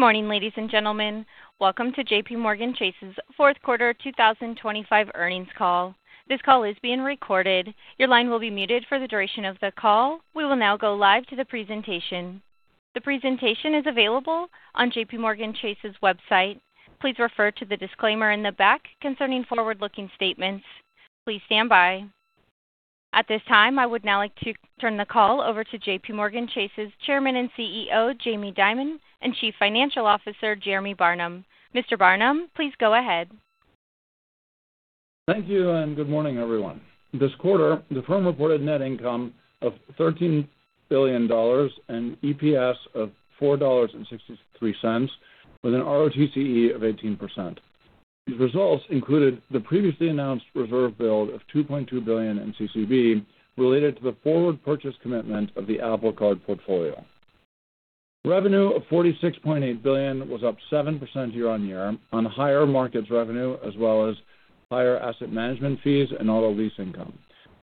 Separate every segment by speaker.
Speaker 1: Good morning, ladies and gentlemen. Welcome to JPMorgan Chase's Fourth Quarter 2025 Earnings Call. This call is being recorded. Your line will be muted for the duration of the call. We will now go live to the presentation. The presentation is available on JPMorgan Chase's website. Please refer to the disclaimer in the back concerning forward-looking statements. Please stand by. At this time, I would now like to turn the call over to JPMorgan Chase's Chairman and CEO, Jamie Dimon, and Chief Financial Officer, Jeremy Barnum. Mr. Barnum, please go ahead.
Speaker 2: Thank you and good morning, everyone. This quarter, the firm reported net income of $13 billion and EPS of $4.63, with an ROTCE of 18%. These results included the previously announced reserve build of $2.2 billion in CCB related to the forward purchase commitment of the Apple Card portfolio. Revenue of $46.8 billion was up 7% year on year on higher markets revenue, as well as higher asset management fees and auto lease income.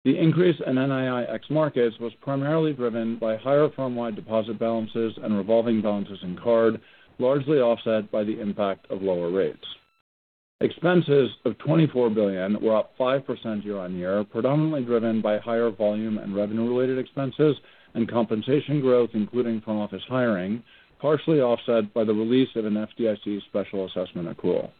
Speaker 2: The increase in NII ex-Markets was primarily driven by higher firm-wide deposit balances and revolving balances in card, largely offset by the impact of lower rates. Expenses of $24 billion were up 5% year on year, predominantly driven by higher volume and revenue-related expenses and compensation growth, including front office hiring, partially offset by the release of an FDIC special assessment accrual.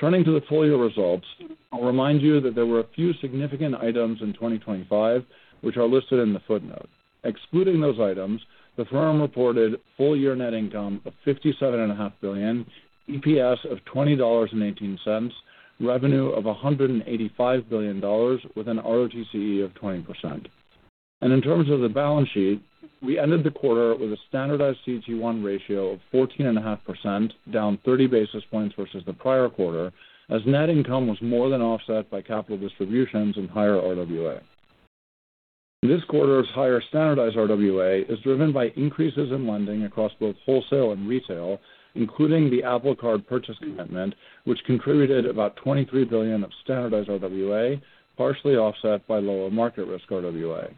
Speaker 2: Turning to the full year results, I'll remind you that there were a few significant items in 2025 which are listed in the footnote. Excluding those items, the firm reported full year net income of $57.5 billion, EPS of $20.18, revenue of $185 billion, with an ROTCE of 20%. And in terms of the balance sheet, we ended the quarter with a standardized CET1 ratio of 14.5%, down 30 basis points versus the prior quarter, as net income was more than offset by capital distributions and higher RWA. This quarter's higher standardized RWA is driven by increases in lending across both wholesale and retail, including the Apple Card purchase commitment, which contributed about $23 billion of standardized RWA, partially offset by lower market risk RWA.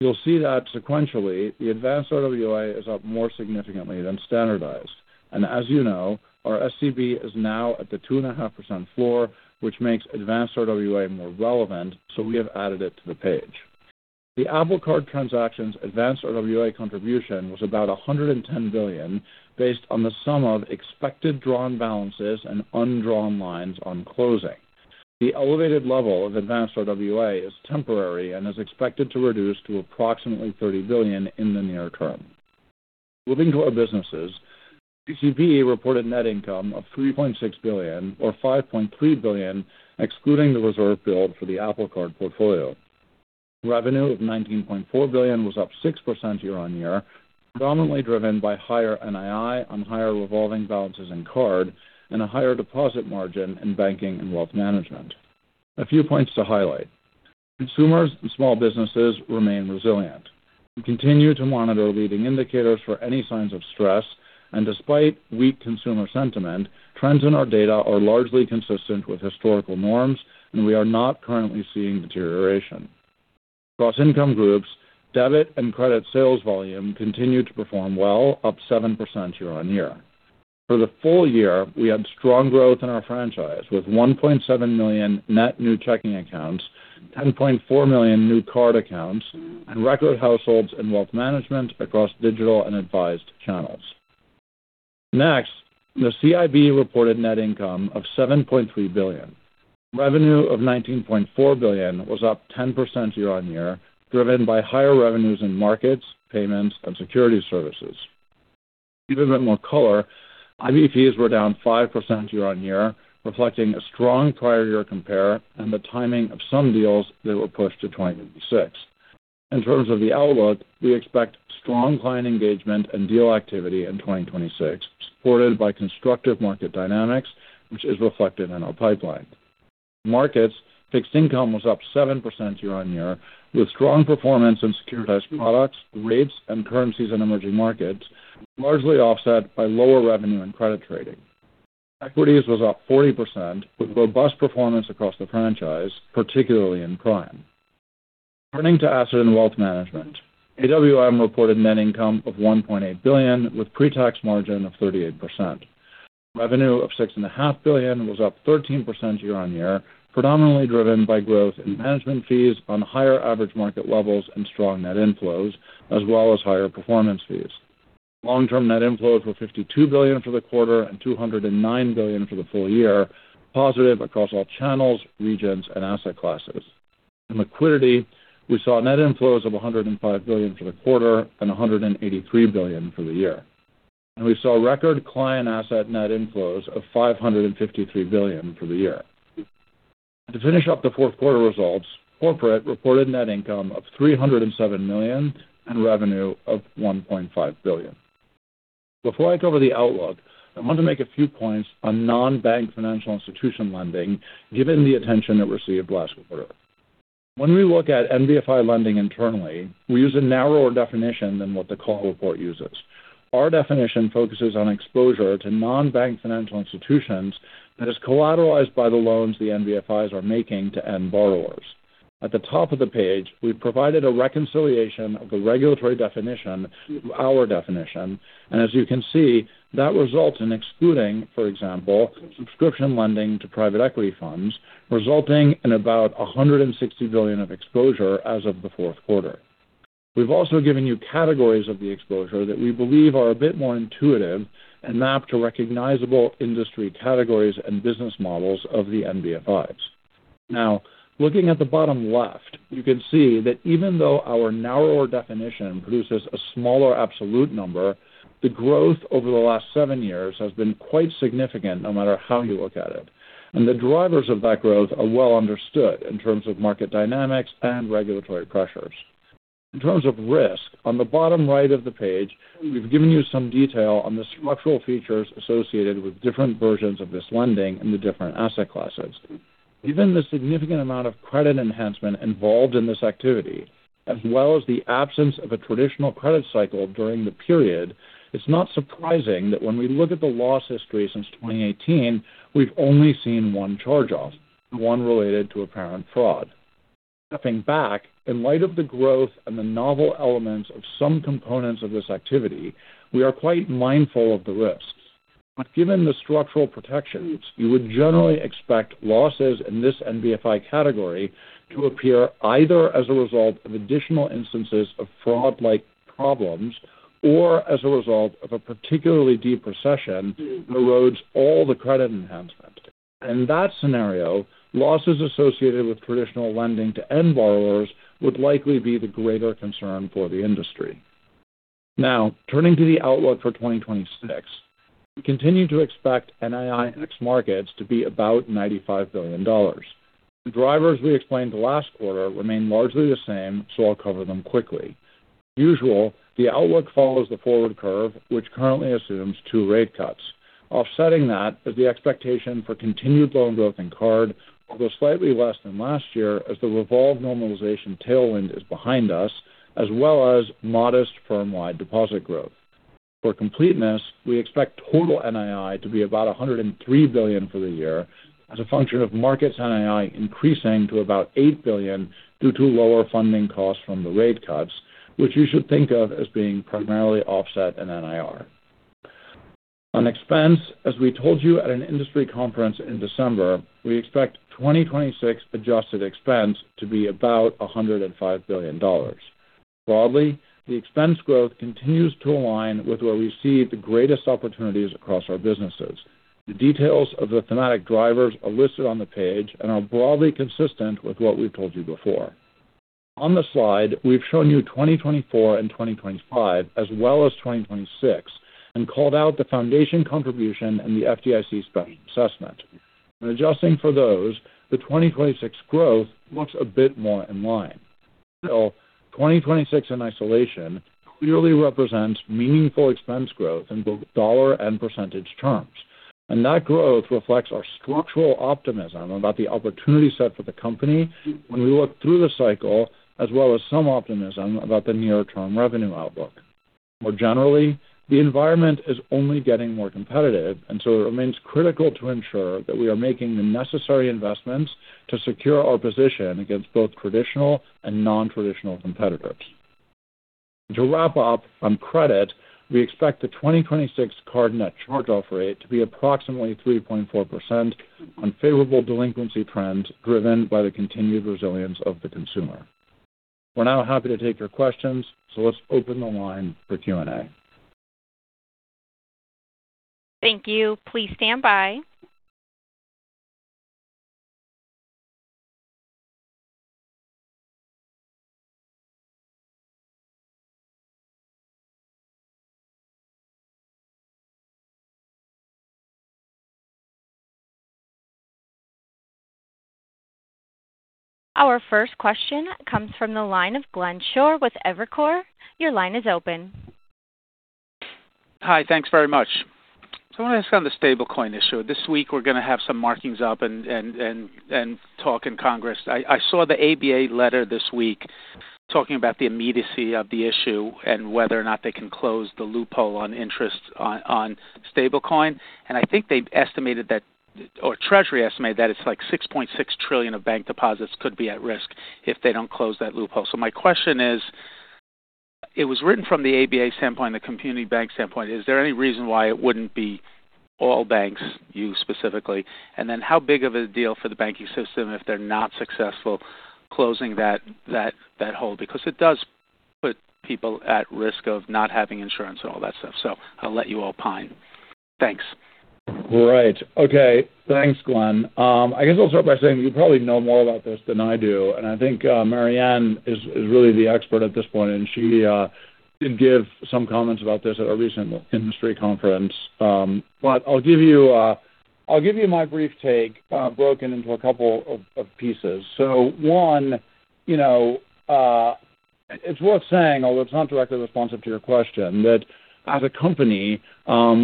Speaker 2: You'll see that sequentially, the advanced RWA is up more significantly than standardized. As you know, our SCB is now at the 2.5% floor, which makes advanced RWA more relevant, so we have added it to the page. The Apple Card transaction's advanced RWA contribution was about $110 billion, based on the sum of expected drawn balances and undrawn lines on closing. The elevated level of advanced RWA is temporary and is expected to reduce to approximately $30 billion in the near term. Moving to our businesses, CCB reported net income of $3.6 billion, or $5.3 billion, excluding the reserve build for the Apple Card portfolio. Revenue of $19.4 billion was up 6% year on year, predominantly driven by higher NII on higher revolving balances in card and a higher deposit margin in banking and wealth management. A few points to highlight: consumers and small businesses remain resilient. We continue to monitor leading indicators for any signs of stress, and despite weak consumer sentiment, trends in our data are largely consistent with historical norms, and we are not currently seeing deterioration. Across income groups, debit and credit sales volume continued to perform well, up 7% year on year. For the full year, we had strong growth in our franchise with 1.7 million net new checking accounts, 10.4 million new card accounts, and record households in wealth management across digital and advised channels. Next, the CIB reported net income of $7.3 billion. Revenue of $19.4 billion was up 10% year on year, driven by higher revenues in markets, payments, and Security Services. To give a bit more color, IB fees were down 5% year on year, reflecting a strong prior year compare and the timing of some deals that were pushed to 2026. In terms of the outlook, we expect strong client engagement and deal activity in 2026, supported by constructive market dynamics, which is reflected in our pipeline. Markets Fixed Income was up 7% year on year, with strong performance in securitized products, rates, and currencies in emerging markets, largely offset by lower revenue in credit trading. Equities was up 40%, with robust performance across the franchise, particularly in prime. Turning to asset and wealth management, AWM reported net income of $1.8 billion, with pre-tax margin of 38%. Revenue of $6.5 billion was up 13% year on year, predominantly driven by growth in management fees on higher average market levels and strong net inflows, as well as higher performance fees. Long-term net inflows were $52 billion for the quarter and $209 billion for the full year, positive across all channels, regions, and asset classes. In liquidity, we saw net inflows of $105 billion for the quarter and $183 billion for the year. And we saw record client asset net inflows of $553 billion for the year. To finish up the fourth quarter results, corporate reported net income of $307 million and revenue of $1.5 billion. Before I cover the outlook, I want to make a few points on non-bank financial institution lending, given the attention it received last quarter. When we look at NBFI lending internally, we use a narrower definition than what the call report uses. Our definition focuses on exposure to non-bank financial institutions that is collateralized by the loans the NBFIs are making to end borrowers. At the top of the page, we've provided a reconciliation of the regulatory definition to our definition, and as you can see, that results in excluding, for example, subscription lending to private equity funds, resulting in about $160 billion of exposure as of the fourth quarter. We've also given you categories of the exposure that we believe are a bit more intuitive and map to recognizable industry categories and business models of the NBFIs. Now, looking at the bottom left, you can see that even though our narrower definition produces a smaller absolute number, the growth over the last seven years has been quite significant, no matter how you look at it. And the drivers of that growth are well understood in terms of market dynamics and regulatory pressures. In terms of risk, on the bottom right of the page, we've given you some detail on the structural features associated with different versions of this lending and the different asset classes. Given the significant amount of credit enhancement involved in this activity, as well as the absence of a traditional credit cycle during the period, it's not surprising that when we look at the loss history since 2018, we've only seen one charge-off, one related to apparent fraud. Stepping back, in light of the growth and the novel elements of some components of this activity, we are quite mindful of the risks, but given the structural protections, you would generally expect losses in this NBFI category to appear either as a result of additional instances of fraud-like problems or as a result of a particularly deep recession that erodes all the credit enhancement. In that scenario, losses associated with traditional lending to end borrowers would likely be the greater concern for the industry. Now, turning to the outlook for 2026, we continue to expect NII ex-Markets to be about $95 billion. The drivers we explained the last quarter remain largely the same, so I'll cover them quickly. As usual, the outlook follows the forward curve, which currently assumes two rate cuts, offsetting that as the expectation for continued loan growth in card will go slightly less than last year as the revolve normalization tailwind is behind us, as well as modest firm-wide deposit growth. For completeness, we expect total NII to be about $103 billion for the year, as a function of Markets NII increasing to about $8 billion due to lower funding costs from the rate cuts, which you should think of as being primarily offset in NIR. On expense, as we told you at an industry conference in December, we expect 2026 adjusted expense to be about $105 billion. Broadly, the expense growth continues to align with where we see the greatest opportunities across our businesses. The details of the thematic drivers are listed on the page and are broadly consistent with what we've told you before. On the slide, we've shown you 2024 and 2025, as well as 2026, and called out the Foundation contribution and the FDIC special assessment. When adjusting for those, the 2026 growth looks a bit more in line. Still, 2026 in isolation clearly represents meaningful expense growth in both dollar and percentage terms, and that growth reflects our structural optimism about the opportunity set for the company when we look through the cycle, as well as some optimism about the near-term revenue outlook. More generally, the environment is only getting more competitive, and so it remains critical to ensure that we are making the necessary investments to secure our position against both traditional and non-traditional competitors. To wrap up, on credit, we expect the 2026 card net charge-off rate to be approximately 3.4% on favorable delinquency trends driven by the continued resilience of the consumer. We're now happy to take your questions, so let's open the line for Q&A.
Speaker 1: Thank you. Please stand by. Our first question comes from the line of Glenn Schorr with Evercore. Your line is open.
Speaker 3: Hi, thanks very much. So I want to ask on the stablecoin issue. This week, we're going to have some markups and talk in Congress. I saw the ABA letter this week talking about the immediacy of the issue and whether or not they can close the loophole on interest on stablecoin. And I think they estimated that, or Treasury estimated that it's like $6.6 trillion of bank deposits could be at risk if they don't close that loophole. So my question is, it was written from the ABA standpoint, the community bank standpoint. Is there any reason why it wouldn't be all banks, you specifically? And then how big of a deal for the banking system if they're not successful closing that hole? Because it does put people at risk of not having insurance and all that stuff. So I'll let you all opine. Thanks.
Speaker 4: Right. Okay. Thanks, Glenn. I guess I'll start by saying you probably know more about this than I do, and I think Marianne is really the expert at this point, and she did give some comments about this at a recent industry conference, but I'll give you my brief take, broken into a couple of pieces, so one, it's worth saying, although it's not directly responsive to your question, that as a company,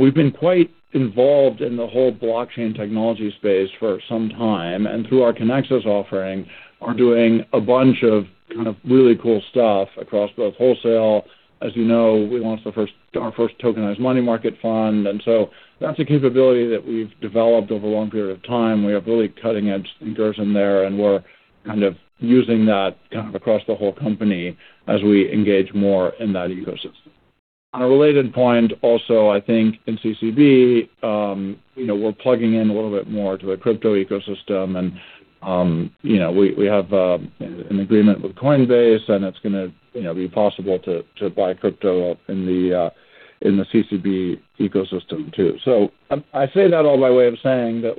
Speaker 4: we've been quite involved in the whole blockchain technology space for some time, and through our Kinexys offering, we're doing a bunch of kind of really cool stuff across both wholesale. As you know, we launched our first tokenized money market fund, and so that's a capability that we've developed over a long period of time. We have really cutting-edge thinkers in there, and we're kind of using that kind of across the whole company as we engage more in that ecosystem. On a related point, also, I think in CCB, we're plugging in a little bit more to the crypto ecosystem. And we have an agreement with Coinbase, and it's going to be possible to buy crypto in the CCB ecosystem too. So I say that all by way of saying that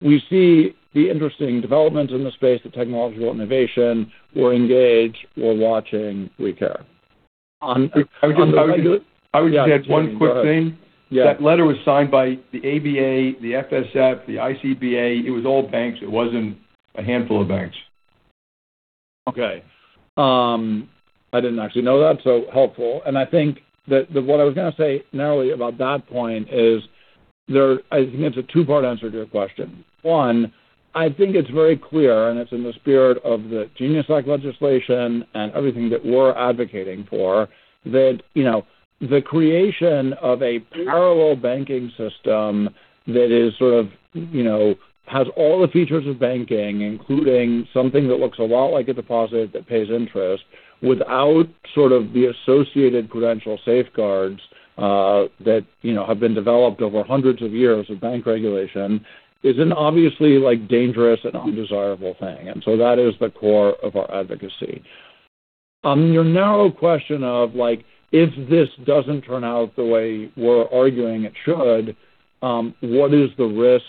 Speaker 4: we see the interesting developments in the space, the technological innovation. We're engaged. We're watching. We care.
Speaker 2: I would just add one quick thing. That letter was signed by the ABA, the FSF, the ICBA. It was all banks. It wasn't a handful of banks.
Speaker 4: Okay. I didn't actually know that, so helpful. And I think that what I was going to say narrowly about that point is I think it's a two-part answer to your question. One, I think it's very clear, and it's in the spirit of the GENIUS Act legislation and everything that we're advocating for, that the creation of a parallel banking system that sort of has all the features of banking, including something that looks a lot like a deposit that pays interest, without sort of the associated prudential safeguards that have been developed over hundreds of years of bank regulation, is an obviously dangerous and undesirable thing. And so that is the core of our advocacy. On your narrow question of, if this doesn't turn out the way we're arguing it should, what is the risk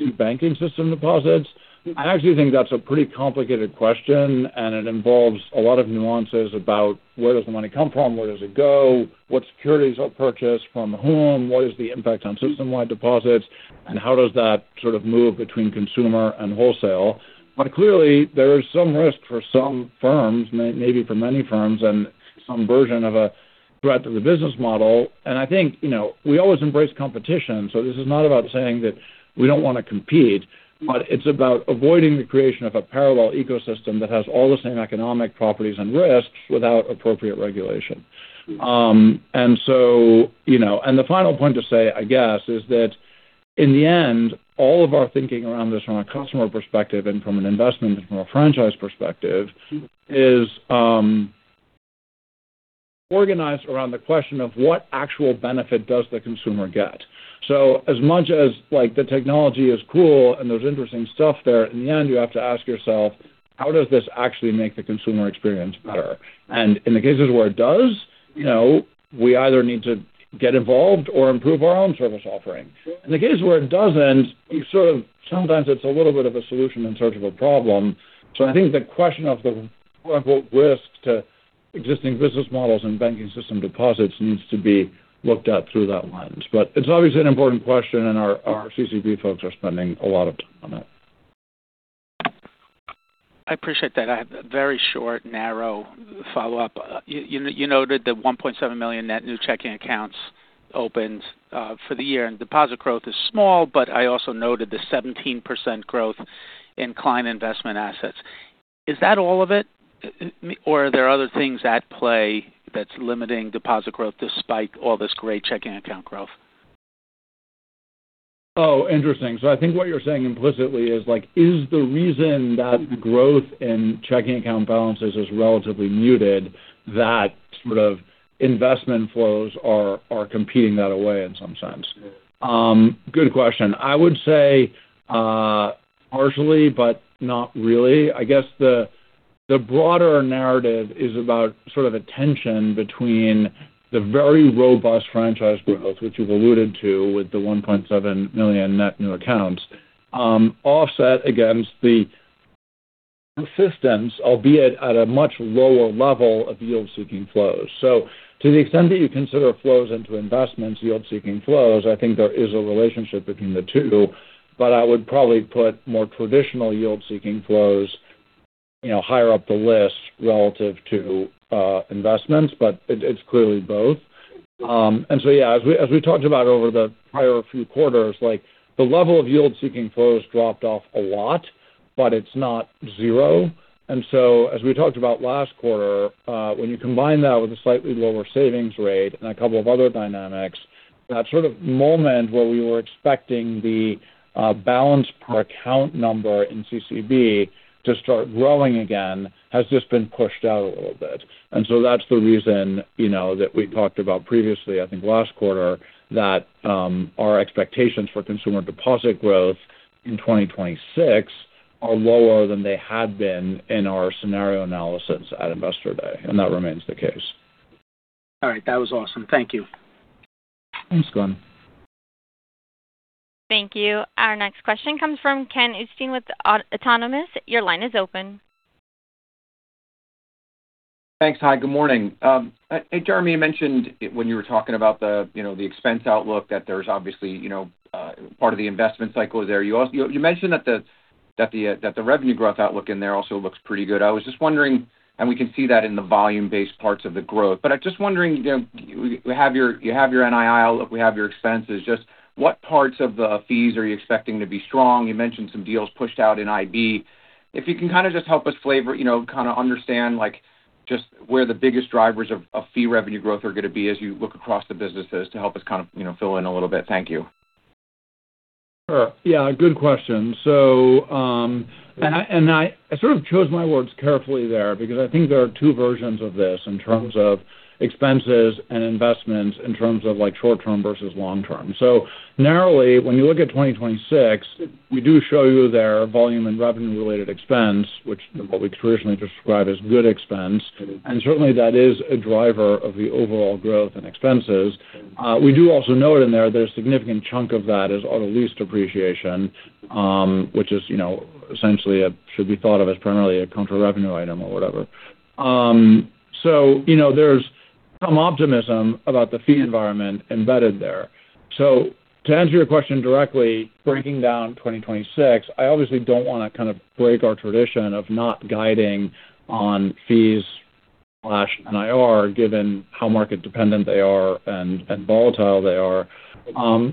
Speaker 4: to banking system deposits? I actually think that's a pretty complicated question, and it involves a lot of nuances about where does the money come from, where does it go, what securities are purchased, from whom, what is the impact on system-wide deposits, and how does that sort of move between consumer and wholesale. But clearly, there is some risk for some firms, maybe for many firms, and some version of a threat to the business model. And I think we always embrace competition, so this is not about saying that we don't want to compete, but it's about avoiding the creation of a parallel ecosystem that has all the same economic properties and risks without appropriate regulation. And the final point to say, I guess, is that in the end, all of our thinking around this from a customer perspective and from an investment and from a franchise perspective is organized around the question of what actual benefit does the consumer get. So as much as the technology is cool and there's interesting stuff there, in the end, you have to ask yourself, how does this actually make the consumer experience better? And in the cases where it does, we either need to get involved or improve our own service offering. In the case where it doesn't, sometimes it's a little bit of a solution in search of a problem. So I think the question of the risk to existing business models and banking system deposits needs to be looked at through that lens. But it's obviously an important question, and our CCB folks are spending a lot of time on it.
Speaker 3: I appreciate that. I have a very short, narrow follow-up. You noted the 1.7 million net new checking accounts opened for the year, and deposit growth is small, but I also noted the 17% growth in client investment assets. Is that all of it, or are there other things at play that's limiting deposit growth despite all this great checking account growth?
Speaker 4: Oh, interesting. So I think what you're saying implicitly is the reason that the growth in checking account balances is relatively muted that sort of investment flows are competing that away in some sense? Good question. I would say partially, but not really. I guess the broader narrative is about sort of a tension between the very robust franchise growth, which you've alluded to with the 1.7 million net new accounts, offset against the persistence, albeit at a much lower level of yield-seeking flows. So to the extent that you consider flows into investments, yield-seeking flows, I think there is a relationship between the two. But I would probably put more traditional yield-seeking flows higher up the list relative to investments, but it's clearly both. And so, yeah, as we talked about over the prior few quarters, the level of yield-seeking flows dropped off a lot, but it's not zero. As we talked about last quarter, when you combine that with a slightly lower savings rate and a couple of other dynamics, that sort of moment where we were expecting the balance per account number in CCB to start growing again has just been pushed out a little bit. That's the reason that we talked about previously, I think last quarter, that our expectations for consumer deposit growth in 2026 are lower than they had been in our scenario analysis at Investor Day, and that remains the case.
Speaker 3: All right. That was awesome. Thank you.
Speaker 4: Thanks, Glenn.
Speaker 1: Thank you. Our next question comes from Ken Usdin with Autonomous. Your line is open.
Speaker 5: Thanks. Hi, good morning. Jeremy mentioned when you were talking about the expense outlook that there's obviously part of the investment cycle there. You mentioned that the revenue growth outlook in there also looks pretty good. I was just wondering, and we can see that in the volume-based parts of the growth. But I'm just wondering, you have your NII outlook, we have your expenses. Just what parts of the fees are you expecting to be strong? You mentioned some deals pushed out in IB. If you can kind of just help us flavor, kind of understand just where the biggest drivers of fee revenue growth are going to be as you look across the businesses to help us kind of fill in a little bit. Thank you.
Speaker 2: Yeah, good question. And I sort of chose my words carefully there because I think there are two versions of this in terms of expenses and investments in terms of short-term versus long-term. So narrowly, when you look at 2026, we do show you there volume and revenue-related expense, which what we traditionally describe as good expense. And certainly, that is a driver of the overall growth and expenses. We do also note in there that a significant chunk of that is auto lease depreciation, which is essentially should be thought of as primarily a counter-revenue item or whatever. So there's some optimism about the fee environment embedded there. So to answer your question directly, breaking down 2026, I obviously don't want to kind of break our tradition of not guiding on fees/NIR given how market-dependent they are and volatile they are.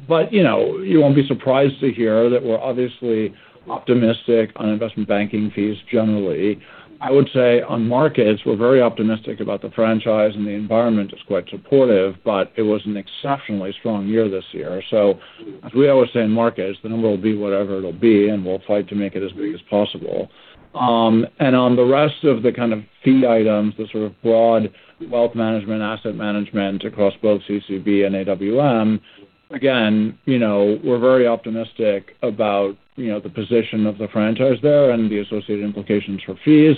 Speaker 2: But you won't be surprised to hear that we're obviously optimistic on investment banking fees generally. I would say on markets, we're very optimistic about the franchise and the environment is quite supportive, but it was an exceptionally strong year this year. So as we always say in markets, the number will be whatever it'll be, and we'll fight to make it as big as possible. And on the rest of the kind of fee items, the sort of broad wealth management, asset management across both CCB and AWM, again, we're very optimistic about the position of the franchise there and the associated implications for fees.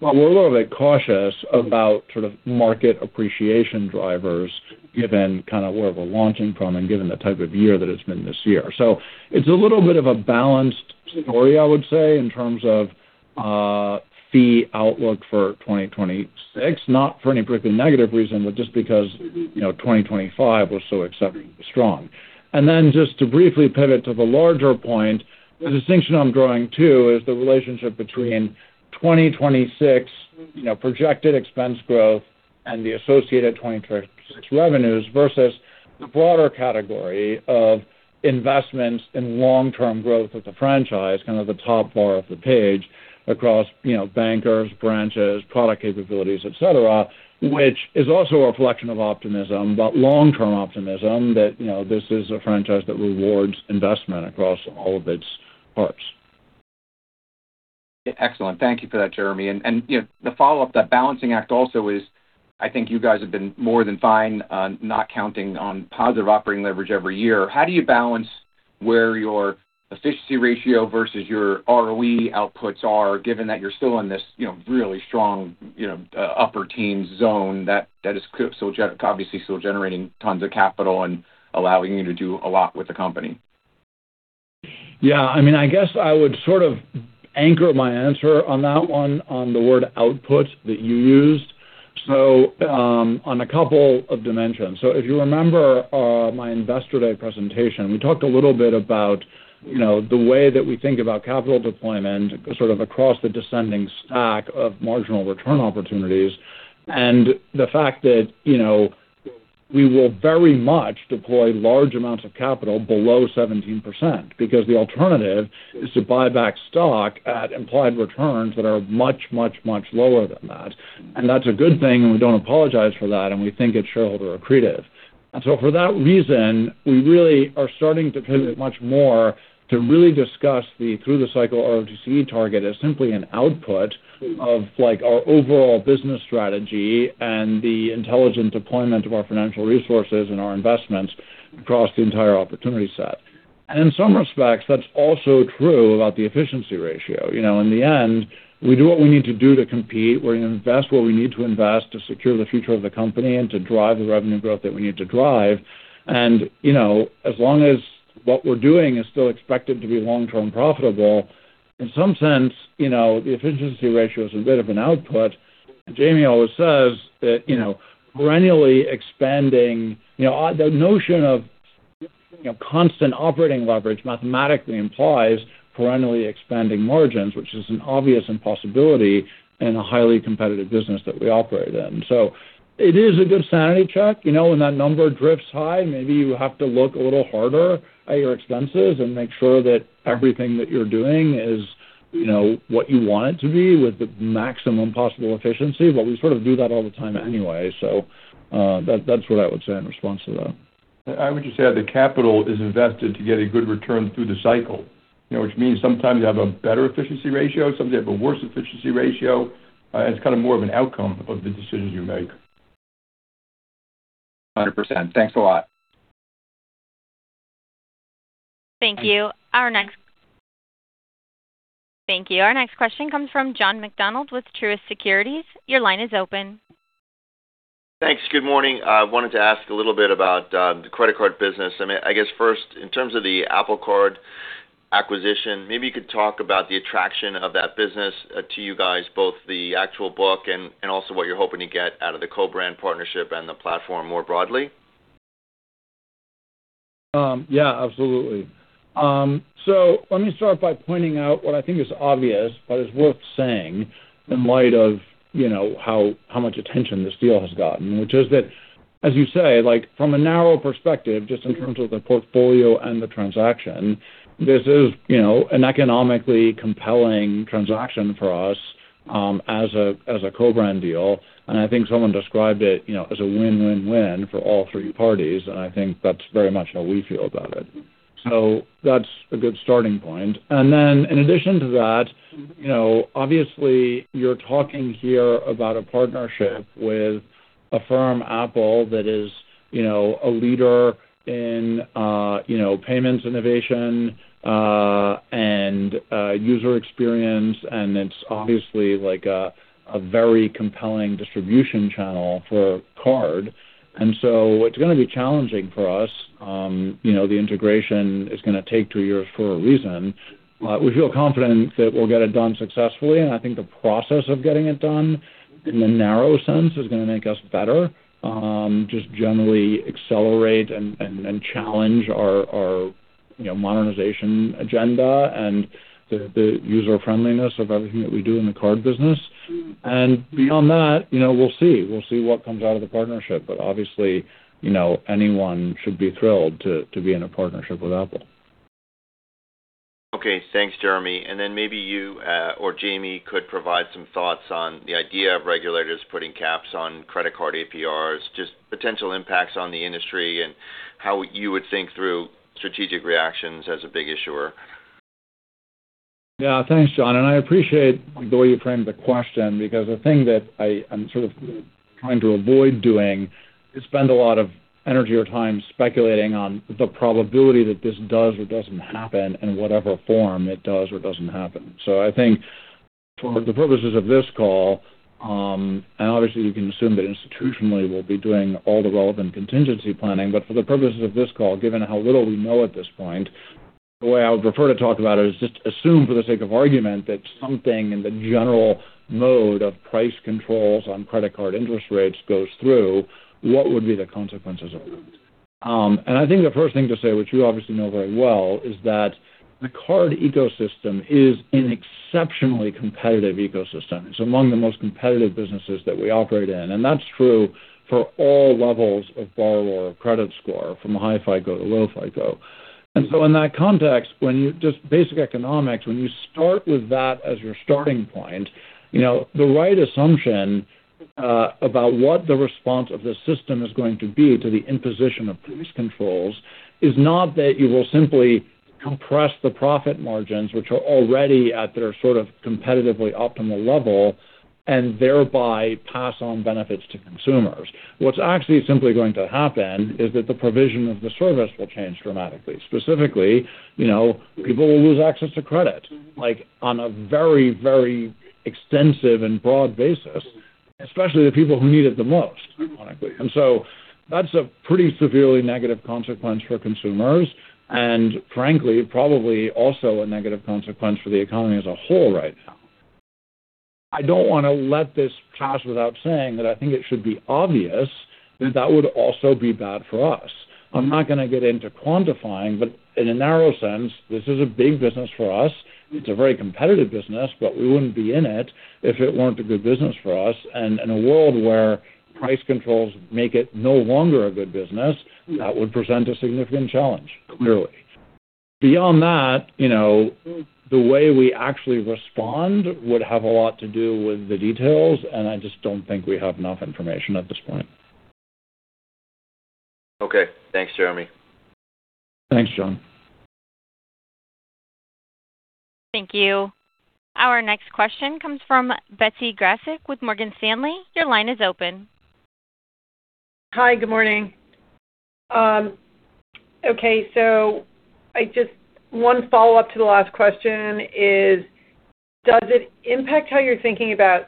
Speaker 2: But we're a little bit cautious about sort of market appreciation drivers given kind of where we're launching from and given the type of year that it's been this year. So it's a little bit of a balanced story, I would say, in terms of fee outlook for 2026, not for any particular negative reason, but just because 2025 was so exceptionally strong, and then just to briefly pivot to the larger point, the distinction I'm drawing too is the relationship between 2026 projected expense growth and the associated 2026 revenues versus the broader category of investments in long-term growth of the franchise, kind of the top bar of the page across bankers, branches, product capabilities, etc., which is also a reflection of optimism, but long-term optimism that this is a franchise that rewards investment across all of its parts.
Speaker 5: Excellent. Thank you for that, Jeremy. And the follow-up, that balancing act also is. I think you guys have been more than fine not counting on positive operating leverage every year. How do you balance where your efficiency ratio versus your ROE outputs are, given that you're still in this really strong upper teens zone that is obviously still generating tons of capital and allowing you to do a lot with the company?
Speaker 2: Yeah. I mean, I guess I would sort of anchor my answer on that one on the word output that you used. So on a couple of dimensions. So if you remember my Investor Day presentation, we talked a little bit about the way that we think about capital deployment sort of across the descending stack of marginal return opportunities and the fact that we will very much deploy large amounts of capital below 17% because the alternative is to buy back stock at implied returns that are much, much, much lower than that. And that's a good thing, and we don't apologize for that, and we think it's shareholder accretive. And so for that reason, we really are starting to pivot much more to really discuss the through-the-cycle ROTCE target as simply an output of our overall business strategy and the intelligent deployment of our financial resources and our investments across the entire opportunity set. And in some respects, that's also true about the efficiency ratio. In the end, we do what we need to do to compete. We're going to invest what we need to invest to secure the future of the company and to drive the revenue growth that we need to drive. And as long as what we're doing is still expected to be long-term profitable, in some sense, the efficiency ratio is a bit of an output. Jamie always says that perennially expanding, the notion of constant operating leverage mathematically implies perennially expanding margins, which is an obvious impossibility in a highly competitive business that we operate in. It is a good sanity check. When that number drifts high, maybe you have to look a little harder at your expenses and make sure that everything that you're doing is what you want it to be with the maximum possible efficiency. We sort of do that all the time anyway. That's what I would say in response to that.
Speaker 4: I would just add that capital is invested to get a good return through the cycle, which means sometimes you have a better efficiency ratio, sometimes you have a worse efficiency ratio. It's kind of more of an outcome of the decisions you make.
Speaker 5: 100%. Thanks a lot.
Speaker 1: Thank you. Our next question comes from John McDonald with Truist Securities. Your line is open.
Speaker 6: Thanks. Good morning. I wanted to ask a little bit about the credit card business. I mean, I guess first, in terms of the Apple Card acquisition, maybe you could talk about the attraction of that business to you guys, both the actual book and also what you're hoping to get out of the co-brand partnership and the platform more broadly.
Speaker 2: Yeah, absolutely. So let me start by pointing out what I think is obvious, but it's worth saying in light of how much attention this deal has gotten, which is that, as you say, from a narrow perspective, just in terms of the portfolio and the transaction, this is an economically compelling transaction for us as a co-brand deal. And I think someone described it as a win-win-win for all three parties. And I think that's very much how we feel about it. So that's a good starting point. And then in addition to that, obviously, you're talking here about a partnership with a firm, Apple, that is a leader in payments innovation and user experience. And it's obviously a very compelling distribution channel for card. And so it's going to be challenging for us. The integration is going to take two years for a reason. We feel confident that we'll get it done successfully. And I think the process of getting it done in the narrow sense is going to make us better, just generally accelerate and challenge our modernization agenda and the user-friendliness of everything that we do in the card business. And beyond that, we'll see. We'll see what comes out of the partnership. But obviously, anyone should be thrilled to be in a partnership with Apple.
Speaker 6: Okay. Thanks, Jeremy. And then maybe you or Jamie could provide some thoughts on the idea of regulators putting caps on credit card APRs, just potential impacts on the industry and how you would think through strategic reactions as a big issuer?
Speaker 2: Yeah. Thanks, John. And I appreciate the way you framed the question because the thing that I'm sort of trying to avoid doing is spend a lot of energy or time speculating on the probability that this does or doesn't happen in whatever form it does or doesn't happen. So I think for the purposes of this call, and obviously, you can assume that institutionally we'll be doing all the relevant contingency planning. But for the purposes of this call, given how little we know at this point, the way I would prefer to talk about it is just assume for the sake of argument that something in the general mode of price controls on credit card interest rates goes through, what would be the consequences of that? And I think the first thing to say, which you obviously know very well, is that the card ecosystem is an exceptionally competitive ecosystem. It's among the most competitive businesses that we operate in. And that's true for all levels of borrower credit score from a high-FICO to low-FICO. And so in that context, just basic economics, when you start with that as your starting point, the right assumption about what the response of the system is going to be to the imposition of price controls is not that you will simply compress the profit margins, which are already at their sort of competitively optimal level, and thereby pass on benefits to consumers. What's actually simply going to happen is that the provision of the service will change dramatically. Specifically, people will lose access to credit on a very, very extensive and broad basis, especially the people who need it the most, ironically, and so that's a pretty severely negative consequence for consumers and, frankly, probably also a negative consequence for the economy as a whole right now. I don't want to let this pass without saying that I think it should be obvious that that would also be bad for us. I'm not going to get into quantifying, but in a narrow sense, this is a big business for us. It's a very competitive business, but we wouldn't be in it if it weren't a good business for us, and in a world where price controls make it no longer a good business, that would present a significant challenge, clearly. Beyond that, the way we actually respond would have a lot to do with the details, and I just don't think we have enough information at this point.
Speaker 6: Okay. Thanks, Jeremy.
Speaker 2: Thanks, John.
Speaker 1: Thank you. Our next question comes from Betsy Graseck with Morgan Stanley. Your line is open.
Speaker 7: Hi. Good morning. Okay. So one follow-up to the last question is, does it impact how you're thinking about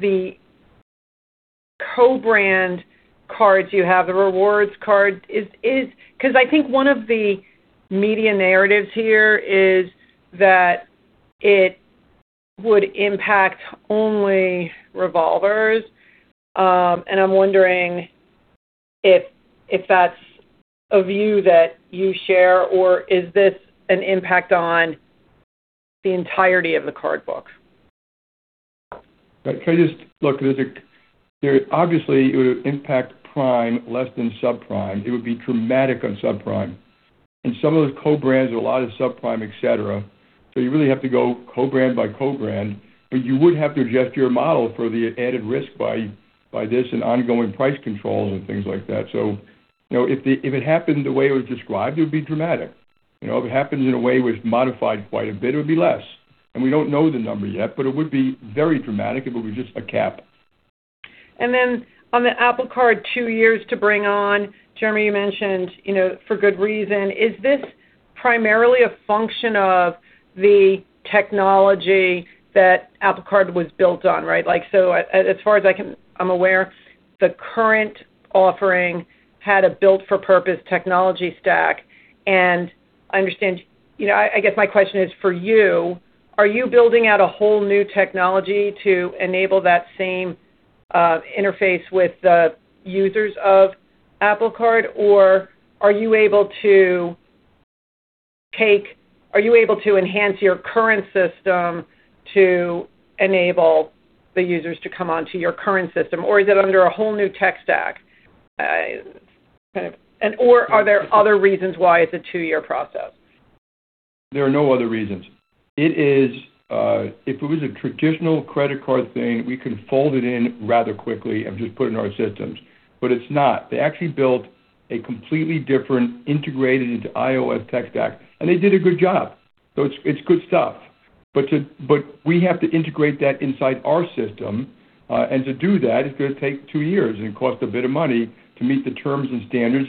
Speaker 7: the co-brand cards you have, the rewards card? Because I think one of the media narratives here is that it would impact only revolvers. And I'm wondering if that's a view that you share, or is this an impact on the entirety of the card book?
Speaker 4: Look, obviously, it would impact prime less than subprime. It would be dramatic on subprime, and some of those co-brands, there are a lot of subprime, etc., so you really have to go co-brand by co-brand, but you would have to adjust your model for the added risk by this and ongoing price controls and things like that. So if it happened the way it was described, it would be dramatic. If it happens in a way it was modified quite a bit, it would be less, and we don't know the number yet, but it would be very dramatic if it was just a cap.
Speaker 7: And then on the Apple Card two years to bring on, Jeremy, you mentioned for good reason. Is this primarily a function of the technology that Apple Card was built on, right? So as far as I'm aware, the current offering had a built-for-purpose technology stack. And I understand, I guess my question is for you. Are you building out a whole new technology to enable that same interface with the users of Apple Card, or are you able to enhance your current system to enable the users to come onto your current system, or is it under a whole new tech stack? Or are there other reasons why it's a two-year process?
Speaker 2: There are no other reasons. If it was a traditional credit card thing, we could fold it in rather quickly and just put it in our systems. But it's not. They actually built a completely different integrated into iOS tech stack. And they did a good job. So it's good stuff. But we have to integrate that inside our system. And to do that, it's going to take two years and cost a bit of money to meet the terms and standards.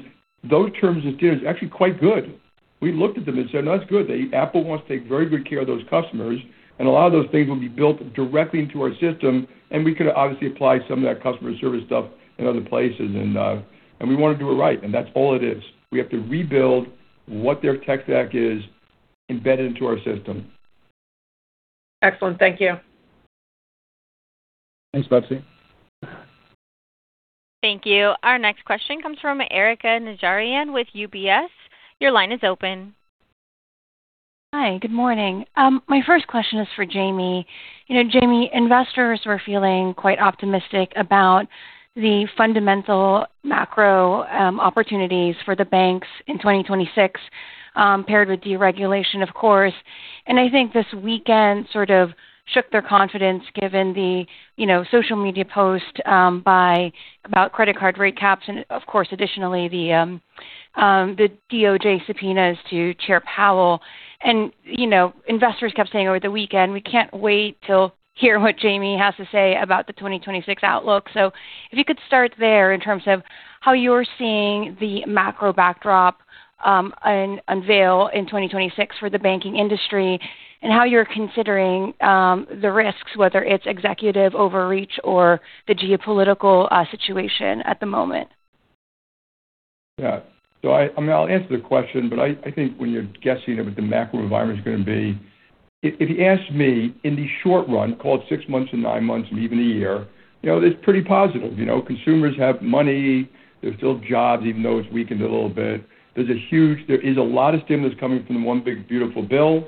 Speaker 2: Those terms and standards are actually quite good. We looked at them and said, "No, that's good. Apple wants to take very good care of those customers." And a lot of those things will be built directly into our system. And we could obviously apply some of that customer service stuff in other places. And we want to do it right. And that's all it is. We have to rebuild what their tech stack is embedded into our system.
Speaker 7: Excellent. Thank you.
Speaker 2: Thanks, Betsy.
Speaker 1: Thank you. Our next question comes from Erika Najarian with UBS. Your line is open.
Speaker 8: Hi. Good morning. My first question is for Jamie. Jamie, investors were feeling quite optimistic about the fundamental macro opportunities for the banks in 2026, paired with deregulation, of course. And I think this weekend sort of shook their confidence given the social media post by Biden about credit card rate caps and, of course, additionally, the DOJ subpoenas to Chair Powell. And investors kept saying over the weekend, "We can't wait to hear what Jamie has to say about the 2026 outlook." So if you could start there in terms of how you're seeing the macro backdrop unveil in 2026 for the banking industry and how you're considering the risks, whether it's executive overreach or the geopolitical situation at the moment.
Speaker 4: Yeah. So I mean, I'll answer the question, but I think when you're guessing what the macro environment is going to be, if you asked me in the short run, call it six months and nine months and even a year, it's pretty positive. Consumers have money. There's still jobs, even though it's weakened a little bit. There's a lot of stimulus coming from the one big beautiful bill.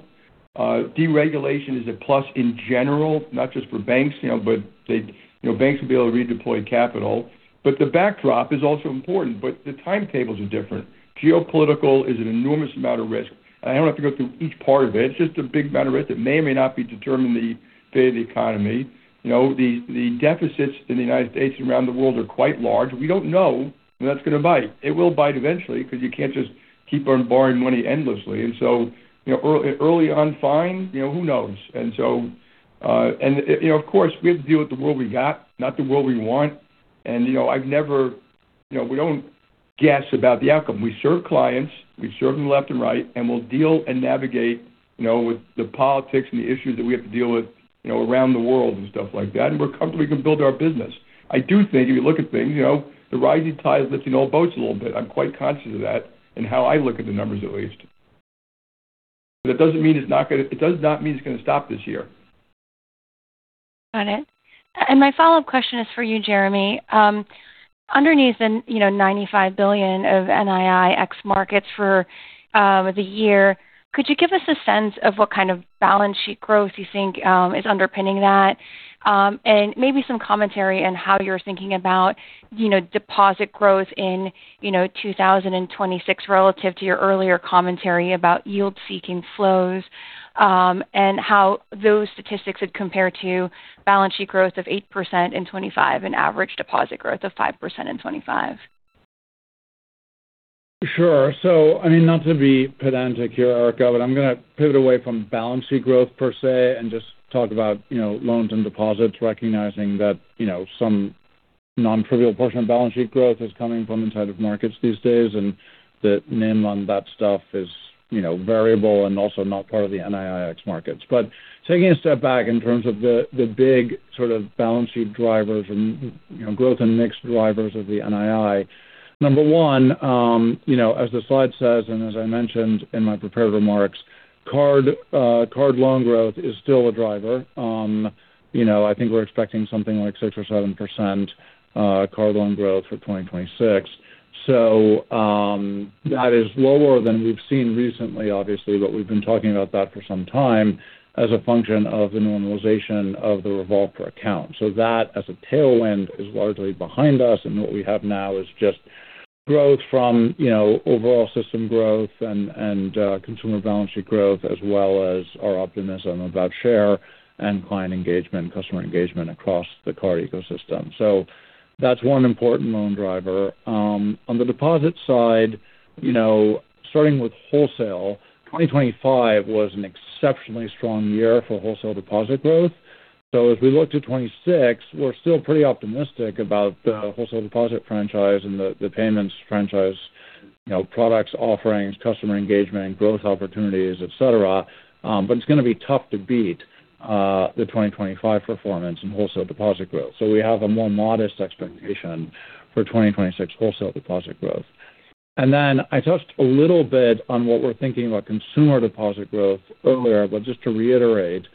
Speaker 4: Deregulation is a plus in general, not just for banks, but banks will be able to redeploy capital. But the backdrop is also important, but the timetables are different. Geopolitical is an enormous amount of risk. And I don't have to go through each part of it. It's just a big amount of risk that may or may not be determining the fate of the economy. The deficits in the United States and around the world are quite large. We don't know when that's going to bite. It will bite eventually because you can't just keep on borrowing money endlessly. And so early on, fine. Who knows? And of course, we have to deal with the world we got, not the world we want. And I've never... we don't guess about the outcome. We serve clients. We serve them left and right. And we'll deal and navigate with the politics and the issues that we have to deal with around the world and stuff like that. And we're comfortable. We can build our business. I do think if you look at things, the rising tide's lifting all boats a little bit. I'm quite conscious of that and how I look at the numbers, at least. But that doesn't mean it's not going to stop this year.
Speaker 8: Got it. And my follow-up question is for you, Jeremy. Underneath the $95 billion of NII ex-Markets for the year, could you give us a sense of what kind of balance sheet growth you think is underpinning that? And maybe some commentary on how you're thinking about deposit growth in 2026 relative to your earlier commentary about yield-seeking flows and how those statistics would compare to balance sheet growth of 8% in 2025 and average deposit growth of 5% in 2025.
Speaker 2: Sure. So I mean, not to be pedantic here, Erica, but I'm going to pivot away from balance sheet growth per se and just talk about loans and deposits, recognizing that some non-trivial portion of balance sheet growth is coming from inside of markets these days and the name on that stuff is variable and also not part of the NII ex-markets. But taking a step back in terms of the big sort of balance sheet drivers and growth and mix drivers of the NII, number one, as the slide says and as I mentioned in my prepared remarks, card loan growth is still a driver. I think we're expecting something like 6% or 7% card loan growth for 2026. So that is lower than we've seen recently, obviously, but we've been talking about that for some time as a function of the normalization of the revolver account. So that as a tailwind is largely behind us. And what we have now is just growth from overall system growth and consumer balance sheet growth as well as our optimism about share and client engagement and customer engagement across the card ecosystem. So that's one important loan driver. On the deposit side, starting with wholesale, 2025 was an exceptionally strong year for wholesale deposit growth. So as we look to 2026, we're still pretty optimistic about the wholesale deposit franchise and the payments franchise products, offerings, customer engagement, growth opportunities, etc. But it's going to be tough to beat the 2025 performance in wholesale deposit growth. So we have a more modest expectation for 2026 wholesale deposit growth. And then I touched a little bit on what we're thinking about consumer deposit growth earlier, but just to reiterate,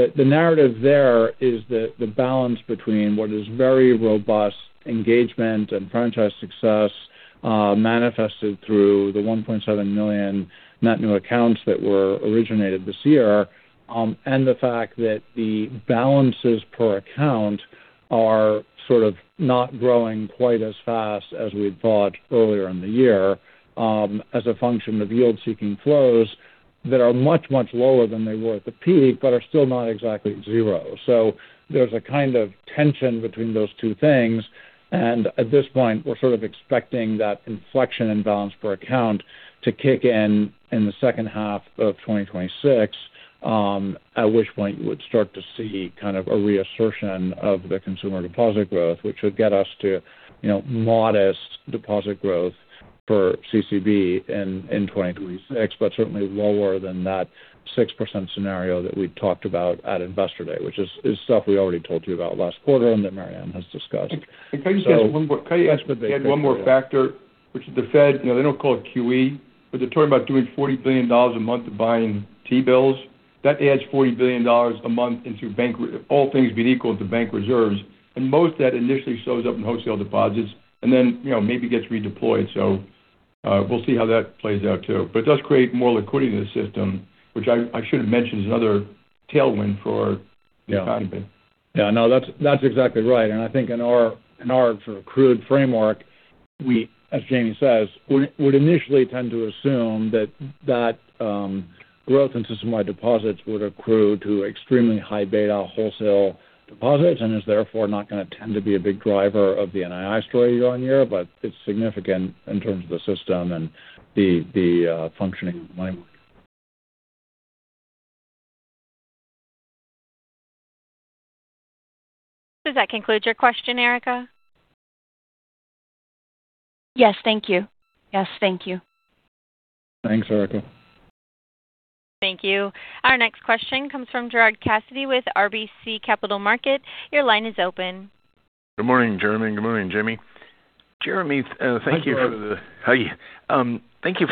Speaker 2: the narrative there is that the balance between what is very robust engagement and franchise success manifested through the 1.7 million net new accounts that were originated this year and the fact that the balances per account are sort of not growing quite as fast as we'd thought earlier in the year as a function of yield-seeking flows that are much, much lower than they were at the peak, but are still not exactly zero. So there's a kind of tension between those two things. At this point, we're sort of expecting that inflection in balance per account to kick in in the second half of 2026, at which point you would start to see kind of a reassertion of the consumer deposit growth, which would get us to modest deposit growth for CCB in 2026, but certainly lower than that 6% scenario that we talked about at Investor Day, which is stuff we already told you about last quarter and that Marianne has discussed.
Speaker 4: Can I just add one more? Can I add one more factor? Which is the Fed. They don't call it QE, but they're talking about doing $40 billion a month of buying T-bills. That adds $40 billion a month into bank, all things being equal to bank reserves. Most of that initially shows up in wholesale deposits and then maybe gets redeployed. So we'll see how that plays out too. But it does create more liquidity in the system, which I should have mentioned is another tailwind for the economy.
Speaker 2: Yeah. No, that's exactly right. And I think in our sort of accrued framework, as Jamie says, would initially tend to assume that that growth in system-wide deposits would accrue to extremely high-beta wholesale deposits and is therefore not going to tend to be a big driver of the NII story year on year, but it's significant in terms of the system and the functioning of the money market.
Speaker 1: Does that conclude your question, Erica?
Speaker 8: Yes. Thank you. Yes. Thank you.
Speaker 2: Thanks, Erica.
Speaker 1: Thank you. Our next question comes from Gerard Cassidy with RBC Capital Markets. Your line is open.
Speaker 9: Good morning, Jeremy. Good morning, Jamie. Jeremy, thank you for the.
Speaker 2: Hi.
Speaker 9: Thank you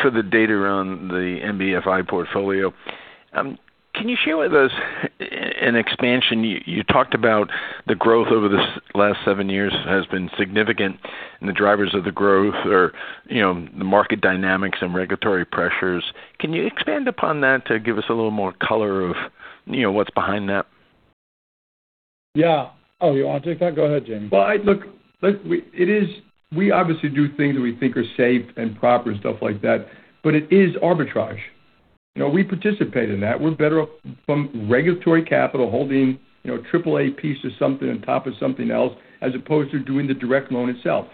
Speaker 9: for the data around the NBFI portfolio. Can you share with us an expansion? You talked about the growth over the last seven years has been significant and the drivers of the growth are the market dynamics and regulatory pressures. Can you expand upon that to give us a little more color of what's behind that?
Speaker 2: Yeah. Oh, you want to take that? Go ahead, Jamie.
Speaker 4: Well, look, it is. We obviously do things that we think are safe and proper and stuff like that, but it is arbitrage. We participate in that. We're better from regulatory capital holding AAA piece of something on top of something else as opposed to doing the direct loan itself.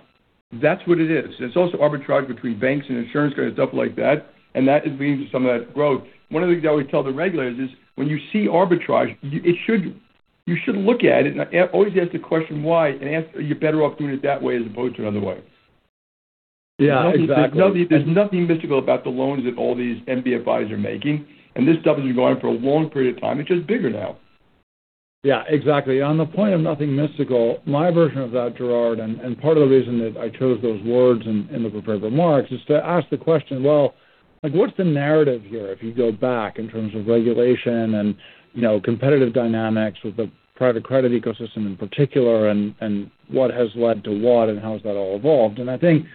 Speaker 4: That's what it is. It's also arbitrage between banks and insurance companies and stuff like that. And that leads to some of that growth. One of the things I always tell the regulators is when you see arbitrage, you should look at it and always ask the question, "Why?" and ask, "Are you better off doing it that way as opposed to another way?"
Speaker 2: Yeah. Exactly.
Speaker 4: There's nothing mystical about the loans that all these NBFIs are making. And this stuff has been going on for a long period of time. It's just bigger now.
Speaker 2: Yeah. Exactly. On the point of nothing mystical, my version of that, Gerard, and part of the reason that I chose those words in the prepared remarks is to ask the question, "Well, what's the narrative here if you go back in terms of regulation and competitive dynamics with the private credit ecosystem in particular and what has led to what and how has that all evolved?" And I think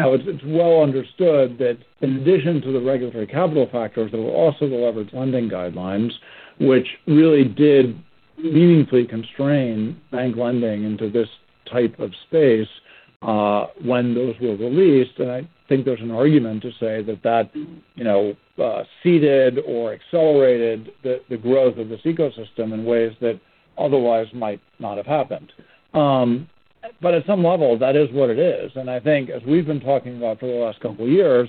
Speaker 2: it's well understood that in addition to the regulatory capital factors, there were also the leveraged lending guidelines, which really did meaningfully constrain bank lending into this type of space when those were released. And I think there's an argument to say that that seeded or accelerated the growth of this ecosystem in ways that otherwise might not have happened. But at some level, that is what it is. And I think as we've been talking about for the last couple of years,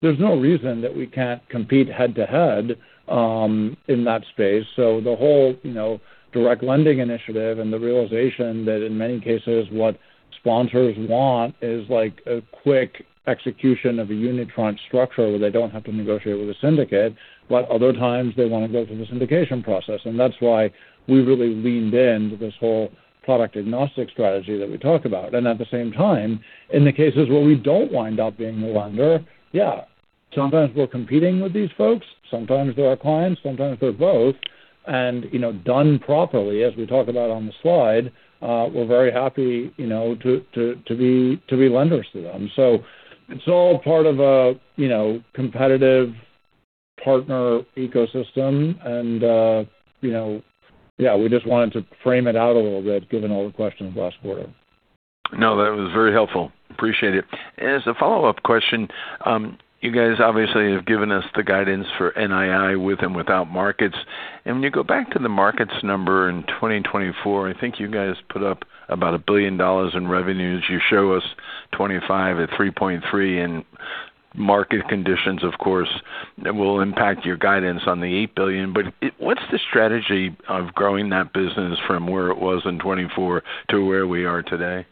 Speaker 2: there's no reason that we can't compete head-to-head in that space. So the whole direct lending initiative and the realization that in many cases what sponsors want is a quick execution of a unitranche structure where they don't have to negotiate with a syndicate, but other times they want to go through the syndication process. And that's why we really leaned into this whole product-agnostic strategy that we talk about. And at the same time, in the cases where we don't wind up being the lender, yeah, sometimes we're competing with these folks. Sometimes they're our clients. Sometimes they're both. And done properly, as we talk about on the slide, we're very happy to be lenders to them. So it's all part of a competitive partner ecosystem. And yeah, we just wanted to frame it out a little bit given all the questions last quarter.
Speaker 9: No, that was very helpful. Appreciate it. As a follow-up question, you guys obviously have given us the guidance for NII with and without markets. And when you go back to the markets number in 2024, I think you guys put up about $1 billion in revenues. You show us 2025 at $3.3 billion. And market conditions, of course, will impact your guidance on the $8 billion. But what's the strategy of growing that business from where it was in 2024 to where we are today?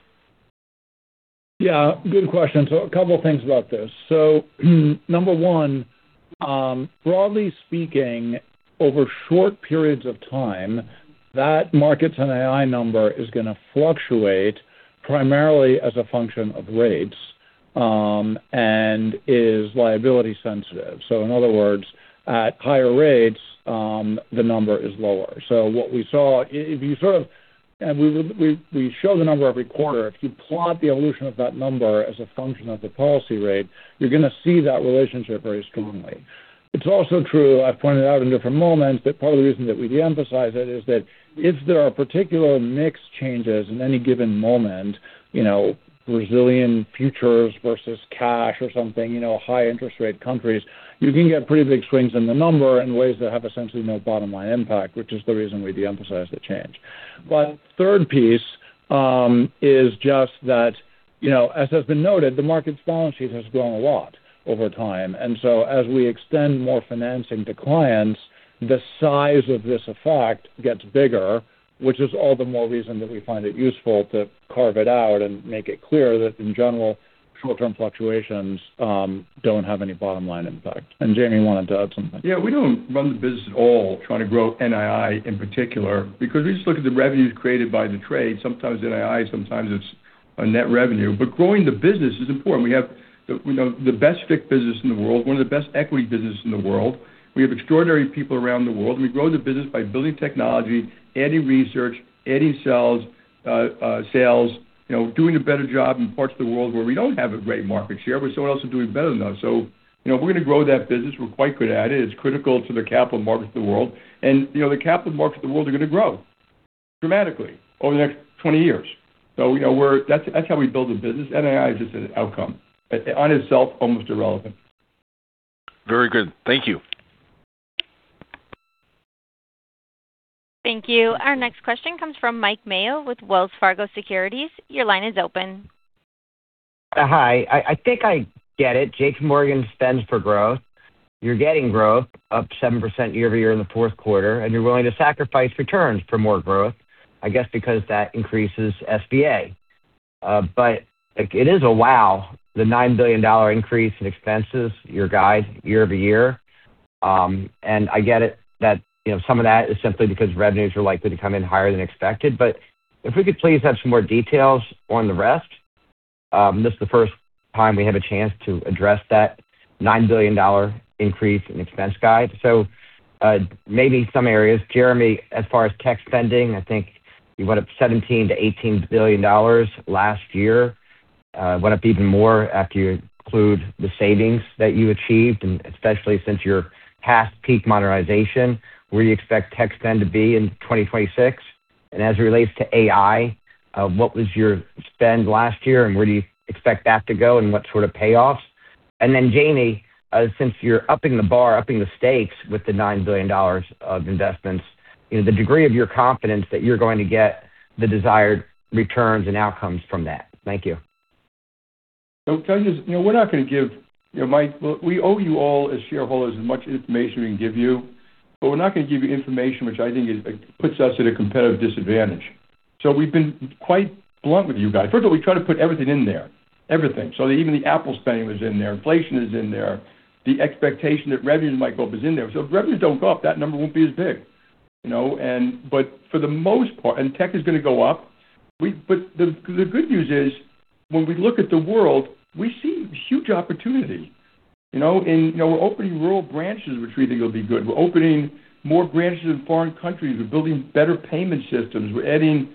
Speaker 2: Yeah. Good question. So a couple of things about this. So number one, broadly speaking, over short periods of time, that markets NII number is going to fluctuate primarily as a function of rates and is liability sensitive. So in other words, at higher rates, the number is lower. So what we saw, if you sort of and we show the number every quarter. If you plot the evolution of that number as a function of the policy rate, you're going to see that relationship very strongly. It's also true. I've pointed out in different moments that part of the reason that we emphasize it is that if there are particular mix changes in any given moment, Brazilian futures versus cash or something, high interest rate countries, you can get pretty big swings in the number in ways that have essentially no bottom line impact, which is the reason we de-emphasize the change. But third piece is just that, as has been noted, the Markets balance sheet has grown a lot over time. And so as we extend more financing to clients, the size of this effect gets bigger, which is all the more reason that we find it useful to carve it out and make it clear that in general, short-term fluctuations don't have any bottom line impact. And Jamie wanted to add something.
Speaker 4: Yeah. We don't run the business at all trying to grow NII in particular because we just look at the revenues created by the trade. Sometimes NII, sometimes it's a net revenue. But growing the business is important. We have the best FICC business in the world, one of the best equity businesses in the world. We have extraordinary people around the world. And we grow the business by building technology, adding research, adding sales, doing a better job in parts of the world where we don't have a great market share, but someone else is doing better than us. So we're going to grow that business. We're quite good at it. It's critical to the capital markets of the world. And the capital markets of the world are going to grow dramatically over the next 20 years. So that's how we build the business. NII is just an outcome in itself, almost irrelevant.
Speaker 9: Very good. Thank you.
Speaker 1: Thank you. Our next question comes from Mike Mayo with Wells Fargo Securities. Your line is open.
Speaker 10: Hi. I think I get it. JPMorgan spends for growth. You're getting growth, up 7% year over year in the fourth quarter, and you're willing to sacrifice returns for more growth, I guess because that increases SVA, but it is a wow, the $9 billion increase in expenses, your guide, year over year, and I get it that some of that is simply because revenues are likely to come in higher than expected, but if we could please have some more details on the rest, this is the first time we have a chance to address that $9 billion increase in expense guide, so maybe some areas. Jeremy, as far as tech spending, I think you went up $17 billion-$18 billion last year. Went up even more after you include the savings that you achieved, and especially since your post-peak modernization. Where do you expect tech spend to be in 2026? And as it relates to AI, what was your spend last year and where do you expect that to go and what sort of payoffs? And then Jamie, since you're upping the bar, upping the stakes with the $9 billion of investments, the degree of your confidence that you're going to get the desired returns and outcomes from that? Thank you.
Speaker 4: So tell you this, we're not going to give Mike, we owe you all as shareholders as much information we can give you, but we're not going to give you information which I think puts us at a competitive disadvantage. So we've been quite blunt with you guys. First of all, we try to put everything in there, everything. So even the Apple spending was in there. Inflation is in there. The expectation that revenues might go up is in there. So if revenues don't go up, that number won't be as big. But for the most part, and tech is going to go up. But the good news is when we look at the world, we see huge opportunity. And we're opening rural branches, which we think will be good. We're opening more branches in foreign countries. We're building better payment systems. We're adding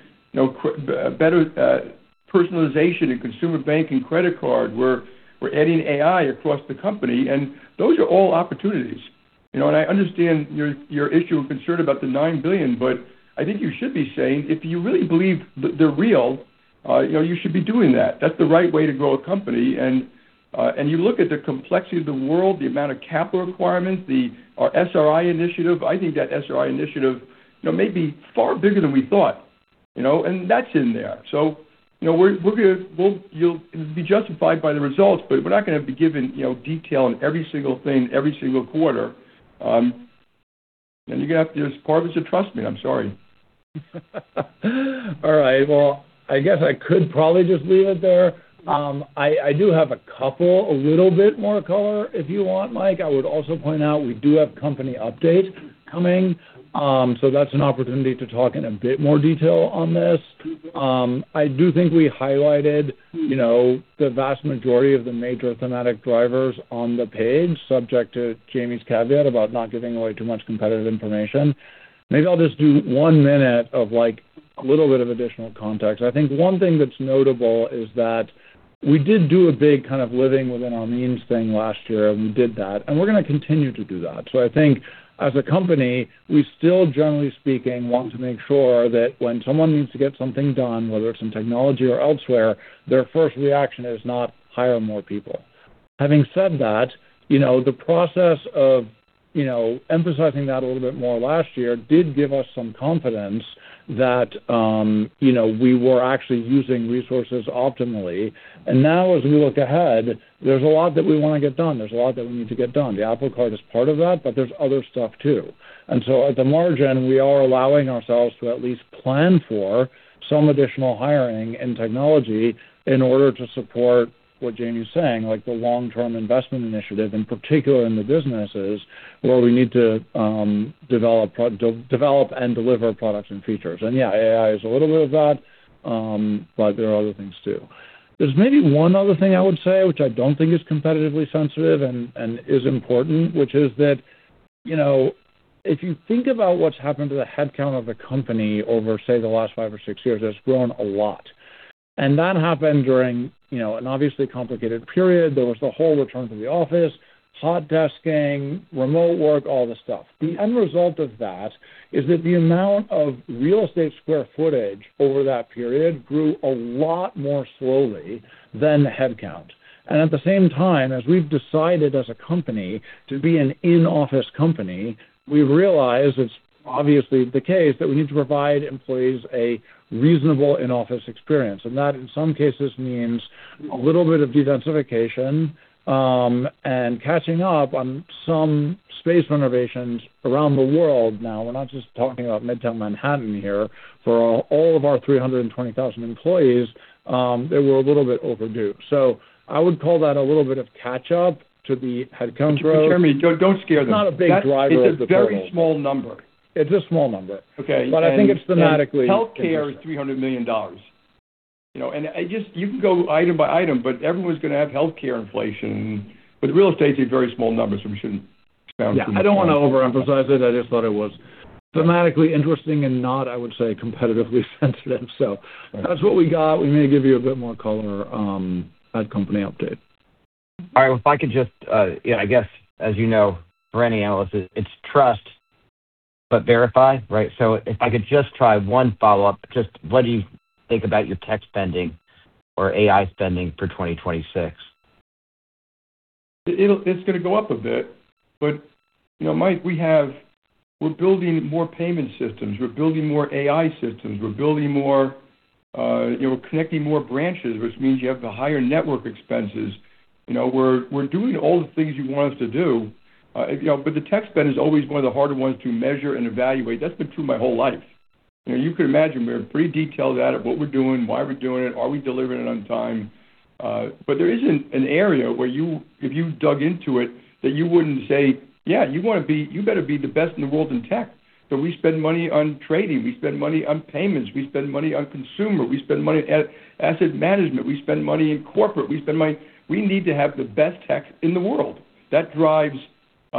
Speaker 4: better personalization in consumer bank and credit card. We're adding AI across the company. And those are all opportunities. And I understand your issue of concern about the $9 billion, but I think you should be saying if you really believe they're real, you should be doing that. That's the right way to grow a company. And you look at the complexity of the world, the amount of capital requirements, our SRI initiative, I think that SRI initiative may be far bigger than we thought. And that's in there. So we'll be justified by the results, but we're not going to be given detail on every single thing every single quarter. And you're going to have to just part of it's to trust me. I'm sorry.
Speaker 2: All right. Well, I guess I could probably just leave it there. I do have a couple, a little bit more color if you want, Mike. I would also point out we do have company updates coming. So that's an opportunity to talk in a bit more detail on this. I do think we highlighted the vast majority of the major thematic drivers on the page, subject to Jamie's caveat about not giving away too much competitive information. Maybe I'll just do one minute of a little bit of additional context. I think one thing that's notable is that we did do a big kind of living within our means thing last year, and we did that. And we're going to continue to do that. So I think as a company, we still, generally speaking, want to make sure that when someone needs to get something done, whether it's in technology or elsewhere, their first reaction is not hire more people. Having said that, the process of emphasizing that a little bit more last year did give us some confidence that we were actually using resources optimally. And now as we look ahead, there's a lot that we want to get done. There's a lot that we need to get done. The Apple Card is part of that, but there's other stuff too. And so at the margin, we are allowing ourselves to at least plan for some additional hiring in technology in order to support what Jamie's saying, like the long-term investment initiative, in particular in the businesses where we need to develop and deliver products and features. And yeah, AI is a little bit of that, but there are other things too. There's maybe one other thing I would say, which I don't think is competitively sensitive and is important, which is that if you think about what's happened to the headcount of the company over, say, the last five or six years, it's grown a lot. And that happened during an obviously complicated period. There was the whole return to the office, hot-desking, remote work, all the stuff. The end result of that is that the amount of real estate square footage over that period grew a lot more slowly than the headcount. And at the same time, as we've decided as a company to be an in-office company, we've realized it's obviously the case that we need to provide employees a reasonable in-office experience. And that in some cases means a little bit of dedensification and catching up on some space renovations around the world now. We're not just talking about Midtown Manhattan here. For all of our 320,000 employees, they were a little bit overdue. So I would call that a little bit of catch-up to the headcount growth.
Speaker 4: Jeremy, don't scare them. It's not a big driver. It's a very small number.
Speaker 2: It's a small number. But I think it's thematically interesting. Healthcare is $300 million. And you can go item by item, but everyone's going to have healthcare inflation. With real estate, it's a very small number, so we shouldn't expand too much. I don't want to overemphasize it. I just thought it was thematically interesting and not, I would say, competitively sensitive. So that's what we got. We may give you a bit more color at company update.
Speaker 10: All right. If I could just, I guess, as you know, for any analyst, it's trust but verify, right? So if I could just try one follow-up, just what do you think about your tech spending or AI spending for 2026?
Speaker 4: It's going to go up a bit. But Mike, we're building more payment systems. We're building more AI systems. We're building more, connecting more branches, which means you have higher network expenses. We're doing all the things you want us to do. But the tech spend is always one of the harder ones to measure and evaluate. That's been true my whole life. You could imagine we're pretty detailed at what we're doing, why we're doing it, are we delivering it on time. But there isn't an area where if you dug into it, that you wouldn't say, "Yeah, you better be the best in the world in tech." But we spend money on trading. We spend money on payments. We spend money on consumer. We spend money on asset management. We spend money in corporate. We need to have the best tech in the world. That drives investment.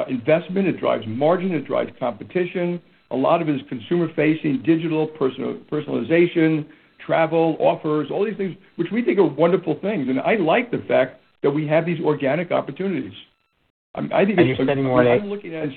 Speaker 4: It drives margin. It drives competition. A lot of it is consumer-facing, digital, personalization, travel, offers, all these things, which we think are wonderful things. And I like the fact that we have these organic opportunities. I think it's true. I'm looking at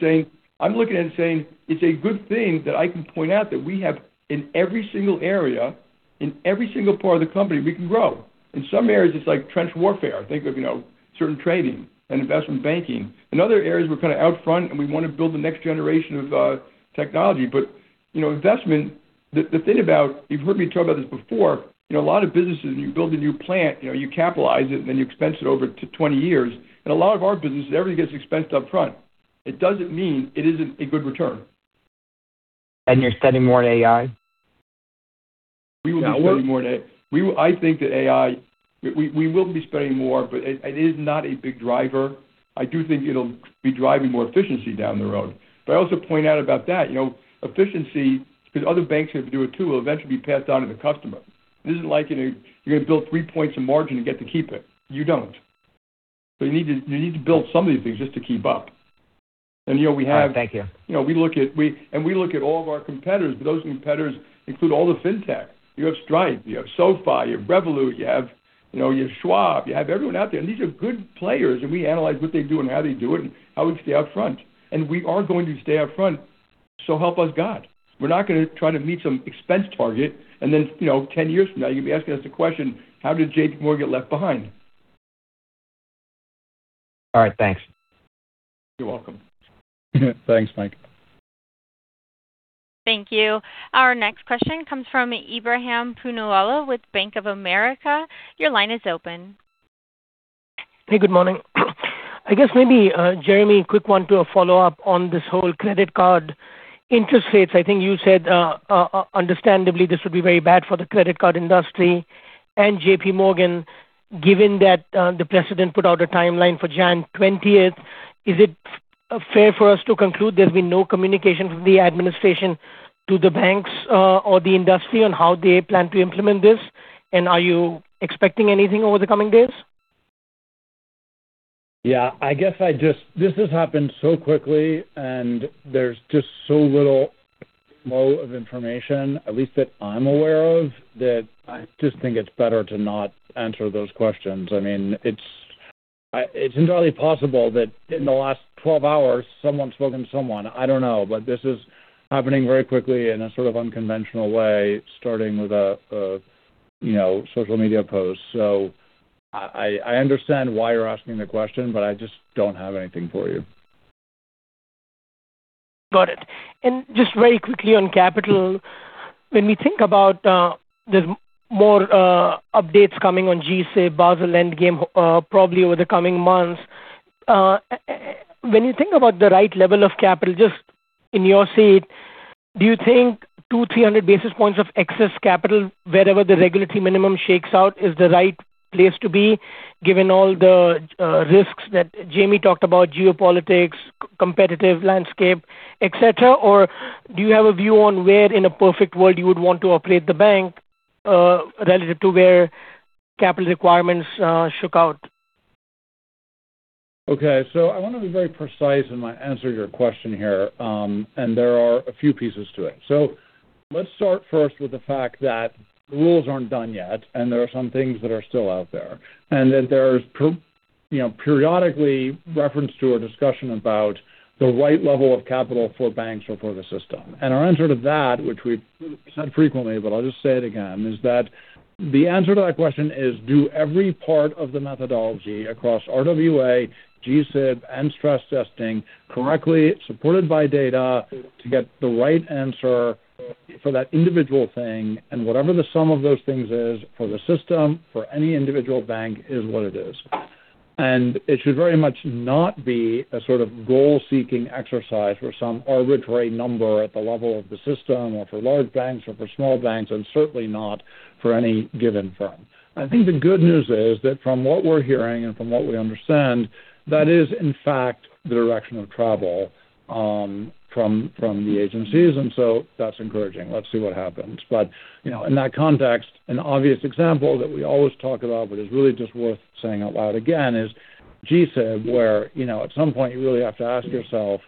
Speaker 4: it saying it's a good thing that I can point out that we have in every single area, in every single part of the company, we can grow. In some areas, it's like trench warfare. Think of certain trading and investment banking. In other areas, we're kind of out front and we want to build the next generation of technology. But investment, the thing is you've heard me talk about this before, a lot of businesses, when you build a new plant, you capitalize it and then you expense it over 20 years. And a lot of our businesses, everything gets expensed upfront. It doesn't mean it isn't a good return.
Speaker 10: You're spending more in AI?
Speaker 4: We will be spending more in AI. I think that AI, we will be spending more, but it is not a big driver. I do think it'll be driving more efficiency down the road. But I also point out about that efficiency, because other banks are going to do it too, will eventually be passed on to the customer. This isn't like you're going to build three points of margin and get to keep it. You don't. So you need to build some of these things just to keep up. And we have.
Speaker 10: Thank you.
Speaker 4: And we look at all of our competitors, but those competitors include all the fintech. You have Stripe, you have SoFi, you have Revolut, you have Schwab, you have everyone out there. And these are good players. And we analyze what they do and how they do it and how we can stay up front. And we are going to stay up front. So help us God. We're not going to try to meet some expense target and then 10 years from now, you're going to be asking us the question, "How did JPMorgan get left behind?
Speaker 10: All right. Thanks.
Speaker 4: You're welcome.
Speaker 2: Thanks, Mike.
Speaker 1: Thank you. Our next question comes from Ebrahim Poonawala with Bank of America. Your line is open.
Speaker 11: Hey, good morning. I guess maybe, Jeremy, quick one to follow up on this whole credit card interest rates. I think you said, understandably, this would be very bad for the credit card industry. And JPMorgan, given that the president put out a timeline for January 20th, is it fair for us to conclude there's been no communication from the administration to the banks or the industry on how they plan to implement this? And are you expecting anything over the coming days?
Speaker 2: Yeah. I guess this has happened so quickly and there's just so little flow of information, at least that I'm aware of, that I just think it's better to not answer those questions. I mean, it's entirely possible that in the last 12 hours, someone spoke to someone. I don't know, but this is happening very quickly in a sort of unconventional way, starting with a social media post. So I understand why you're asking the question, but I just don't have anything for you.
Speaker 11: Got it. And just very quickly on capital, when we think about there's more updates coming on G-SIB Basel Endgame probably over the coming months, when you think about the right level of capital, just in your seat, do you think 200, 300 basis points of excess capital wherever the regulatory minimum shakes out is the right place to be, given all the risks that Jamie talked about, geopolitics, competitive landscape, etc.? Or do you have a view on where in a perfect world you would want to operate the bank relative to where capital requirements shook out?
Speaker 2: Okay, so I want to be very precise in my answer to your question here, and there are a few pieces to it, so let's start first with the fact that the rules aren't done yet and there are some things that are still out there, and that there's periodically reference to our discussion about the right level of capital for banks or for the system, and our answer to that, which we've said frequently, but I'll just say it again, is that the answer to that question is, do every part of the methodology across RWA, G-SIB, and stress testing correctly supported by data to get the right answer for that individual thing, and whatever the sum of those things is for the system, for any individual bank, is what it is. It should very much not be a sort of goal-seeking exercise for some arbitrary number at the level of the system or for large banks or for small banks, and certainly not for any given firm. I think the good news is that from what we're hearing and from what we understand, that is in fact the direction of travel from the agencies. So that's encouraging. Let's see what happens. But in that context, an obvious example that we always talk about, but is really just worth saying out loud again, is G-SIB, where at some point you really have to ask yourself,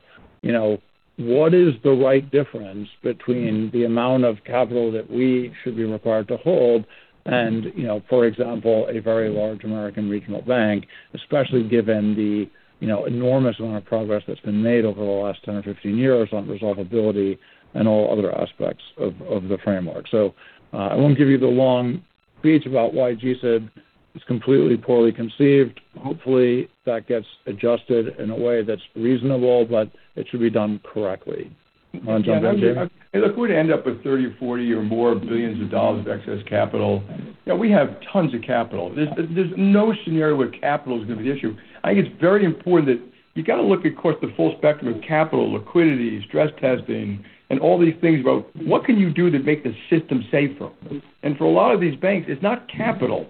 Speaker 2: what is the right difference between the amount of capital that we should be required to hold and, for example, a very large American regional bank, especially given the enormous amount of progress that's been made over the last 10 or 15 years on resolvability and all other aspects of the framework. So I won't give you the long speech about why G-SIB is completely poorly conceived. Hopefully, that gets adjusted in a way that's reasonable, but it should be done correctly. Want to jump in, Jamie?
Speaker 4: I don't want to end up with $30 billion, $40 billion, or more of excess capital. We have tons of capital. There's no scenario where capital is going to be the issue. I think it's very important that you've got to look at, of course, the full spectrum of capital, liquidity, stress testing, and all these things about what can you do to make the system safer. For a lot of these banks, it's not capital.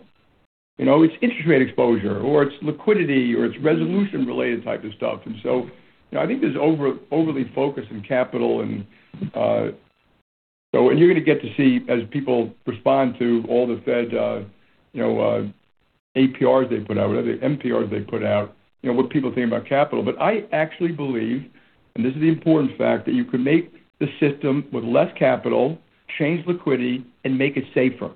Speaker 4: It's interest rate exposure, or it's liquidity, or it's resolution-related type of stuff. So I think there's over focus on capital. You're going to get to see as people respond to all the Fed APRs they put out, whatever the MPRs they put out, what people think about capital. But I actually believe, and this is the important fact, that you can make the system with less capital, change liquidity, and make it safer.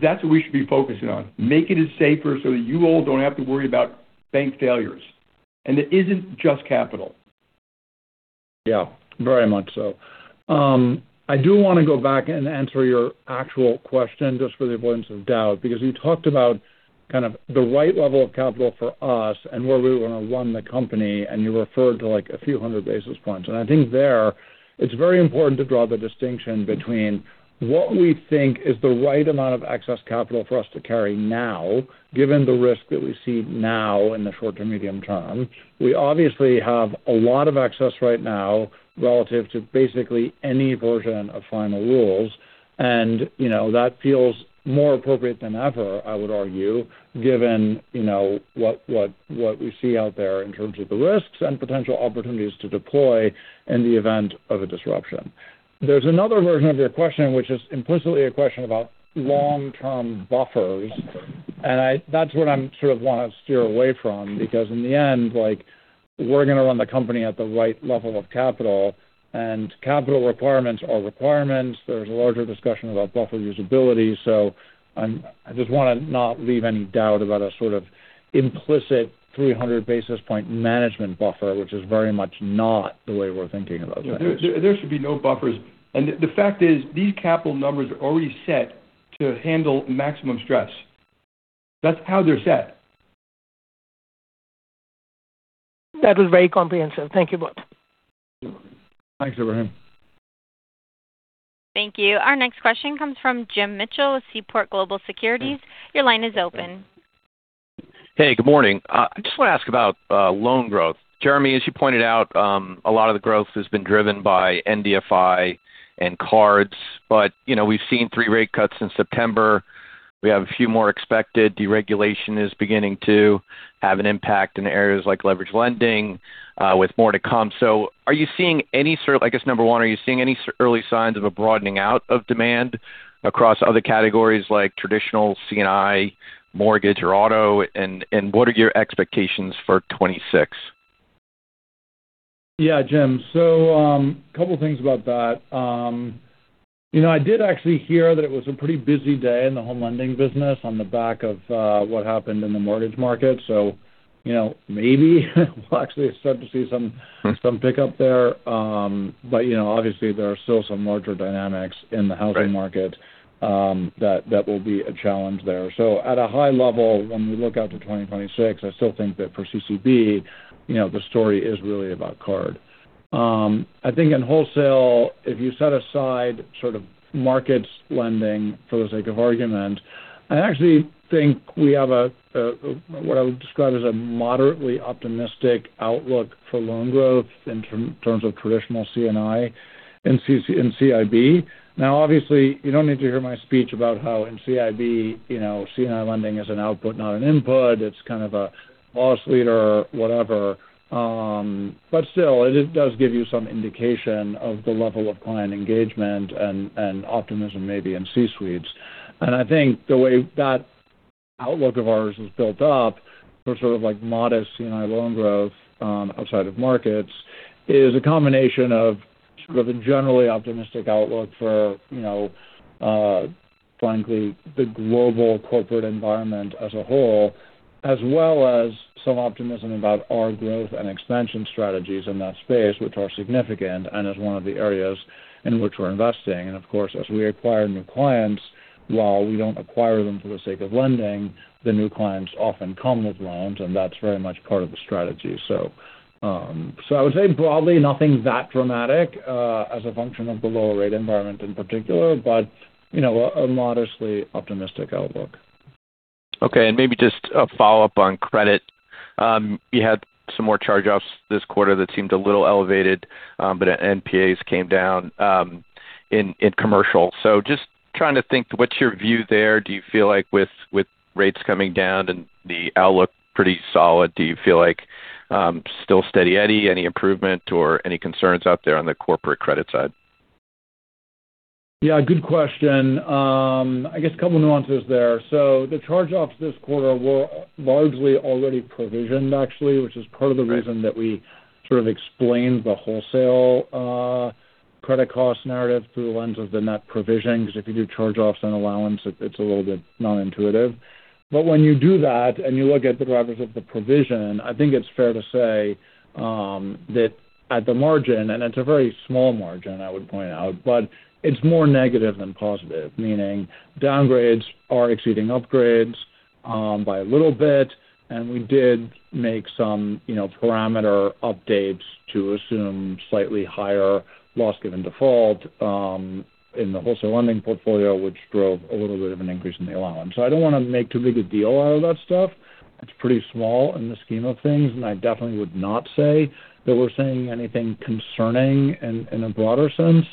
Speaker 4: That's what we should be focusing on. Make it as safer so that you all don't have to worry about bank failures. And it isn't just capital.
Speaker 2: Yeah, very much so. I do want to go back and answer your actual question just for the avoidance of doubt, because you talked about kind of the right level of capital for us and where we want to run the company, and you referred to a few hundred basis points. And I think there, it's very important to draw the distinction between what we think is the right amount of excess capital for us to carry now, given the risk that we see now in the short to medium term. We obviously have a lot of excess right now relative to basically any version of final rules. And that feels more appropriate than ever, I would argue, given what we see out there in terms of the risks and potential opportunities to deploy in the event of a disruption. There's another version of your question, which is implicitly a question about long-term buffers. And that's what I'm sort of want to steer away from, because in the end, we're going to run the company at the right level of capital. And capital requirements are requirements. There's a larger discussion about buffer usability. So I just want to not leave any doubt about a sort of implicit 300 basis points management buffer, which is very much not the way we're thinking about things.
Speaker 4: There should be no buffers. And the fact is, these capital numbers are already set to handle maximum stress. That's how they're set.
Speaker 11: That was very comprehensive. Thank you both.
Speaker 4: Thanks, Ibrahim.
Speaker 1: Thank you. Our next question comes from Jim Mitchell with Seaport Global Securities. Your line is open.
Speaker 12: Hey, good morning. I just want to ask about loan growth. Jeremy, as you pointed out, a lot of the growth has been driven by NBFI and cards. But we've seen three rate cuts in September. We have a few more expected. Deregulation is beginning to have an impact in areas like leveraged lending with more to come. So are you seeing any sort of, I guess, number one, are you seeing any early signs of a broadening out of demand across other categories like traditional C&I, mortgage, or auto? And what are your expectations for 2026?
Speaker 2: Yeah, Jim. So a couple of things about that. I did actually hear that it was a pretty busy day in the home lending business on the back of what happened in the mortgage market. So maybe we'll actually start to see some pickup there. But obviously, there are still some larger dynamics in the housing market that will be a challenge there. So at a high level, when we look out to 2026, I still think that for CCB, the story is really about card. I think in wholesale, if you set aside sort of markets lending for the sake of argument, I actually think we have what I would describe as a moderately optimistic outlook for loan growth in terms of traditional C&I and CIB. Now, obviously, you don't need to hear my speech about how in CIB, C&I lending is an output, not an input. It's kind of a loss leader, whatever. But still, it does give you some indication of the level of client engagement and optimism maybe in C-suites. And I think the way that outlook of ours is built up for sort of modest C&I loan growth outside of markets is a combination of sort of a generally optimistic outlook for, frankly, the global corporate environment as a whole, as well as some optimism about our growth and expansion strategies in that space, which are significant and is one of the areas in which we're investing. And of course, as we acquire new clients, while we don't acquire them for the sake of lending, the new clients often come with loans, and that's very much part of the strategy. So I would say broadly, nothing that dramatic as a function of the lower rate environment in particular, but a modestly optimistic outlook.
Speaker 12: Okay. And maybe just a follow-up on credit. We had some more charge-offs this quarter that seemed a little elevated, but NPAs came down in commercial. So just trying to think, what's your view there? Do you feel like with rates coming down and the outlook pretty solid, do you feel like still Steady Eddie, any improvement, or any concerns out there on the corporate credit side?
Speaker 2: Yeah, good question. I guess a couple of nuances there. So the charge-offs this quarter were largely already provisioned, actually, which is part of the reason that we sort of explained the wholesale credit cost narrative through the lens of the net provision, because if you do charge-offs and allowance, it's a little bit non-intuitive. But when you do that and you look at the drivers of the provision, I think it's fair to say that at the margin, and it's a very small margin, I would point out, but it's more negative than positive, meaning downgrades are exceeding upgrades by a little bit. And we did make some parameter updates to assume slightly higher loss given default in the wholesale lending portfolio, which drove a little bit of an increase in the allowance. So I don't want to make too big a deal out of that stuff. It's pretty small in the scheme of things, and I definitely would not say that we're saying anything concerning in a broader sense,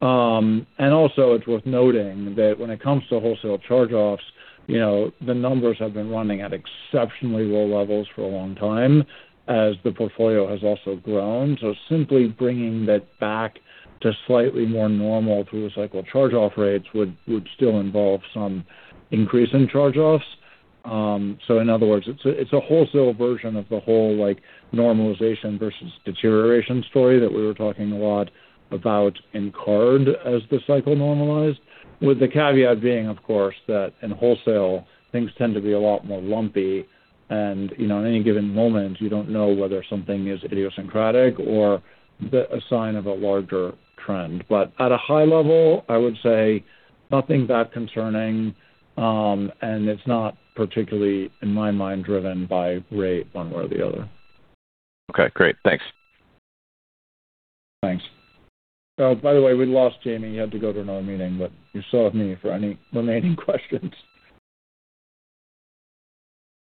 Speaker 2: and also, it's worth noting that when it comes to wholesale charge-offs, the numbers have been running at exceptionally low levels for a long time as the portfolio has also grown, so simply bringing that back to slightly more normal through the cycle charge-off rates would still involve some increase in charge-offs, so in other words, it's a wholesale version of the whole normalization versus deterioration story that we were talking a lot about in card as the cycle normalized, with the caveat being, of course, that in wholesale, things tend to be a lot more lumpy, and at any given moment, you don't know whether something is idiosyncratic or a sign of a larger trend, but at a high level, I would say nothing that concerning. It's not particularly, in my mind, driven by rate one way or the other.
Speaker 12: Okay. Great. Thanks.
Speaker 2: Thanks. Oh, by the way, we lost Jamie. He had to go to another meeting, but you still have me for any remaining questions.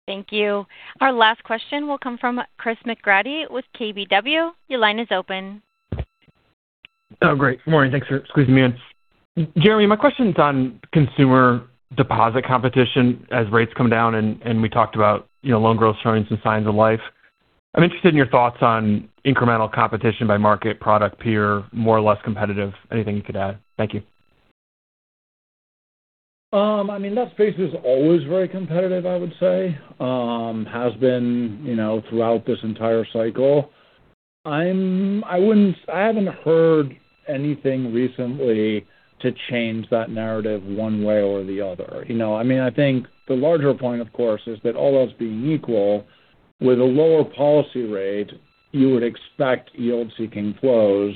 Speaker 1: Thank you. Our last question will come from Chris McGratty with KBW. Your line is open.
Speaker 13: Oh, great. Good morning. Thanks for squeezing me in. Jeremy, my question's on consumer deposit competition as rates come down, and we talked about loan growth showing some signs of life. I'm interested in your thoughts on incremental competition by market, product, peer, more or less competitive, anything you could add. Thank you.
Speaker 2: I mean, that space is always very competitive, I would say, has been throughout this entire cycle. I haven't heard anything recently to change that narrative one way or the other. I mean, I think the larger point, of course, is that all else being equal, with a lower policy rate, you would expect yield-seeking flows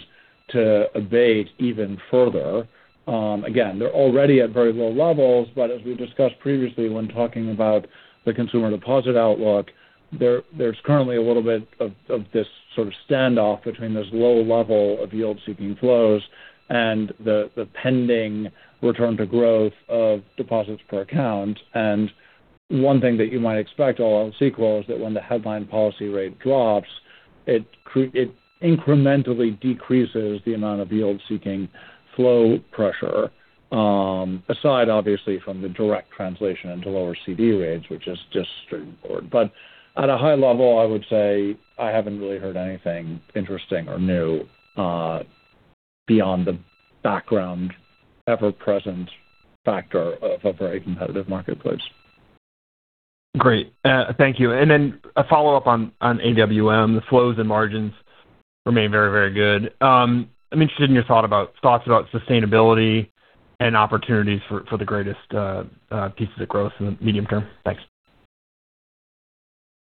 Speaker 2: to abate even further. Again, they're already at very low levels, but as we discussed previously when talking about the consumer deposit outlook, there's currently a little bit of this sort of standoff between this low level of yield-seeking flows and the pending return to growth of deposits per account. And one thing that you might expect all else equal is that when the headline policy rate drops, it incrementally decreases the amount of yield-seeking flow pressure, aside, obviously, from the direct translation into lower CD rates, which is just straightforward. But at a high level, I would say I haven't really heard anything interesting or new beyond the background ever-present factor of a very competitive marketplace.
Speaker 13: Great. Thank you. And then a follow-up on AWM. The flows and margins remain very, very good. I'm interested in your thoughts about sustainability and opportunities for the greatest pieces of growth in the medium term. Thanks.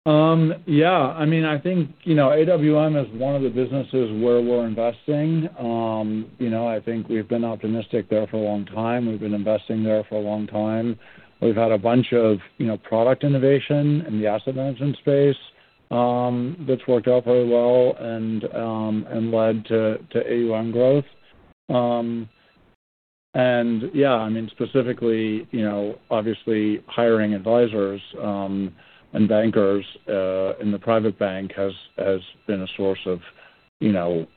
Speaker 2: Yeah. I mean, I think AWM is one of the businesses where we're investing. I think we've been optimistic there for a long time. We've been investing there for a long time. We've had a bunch of product innovation in the asset management space that's worked out very well and led to AUM growth. And yeah, I mean, specifically, obviously, hiring advisors and bankers in the private bank has been a source of it.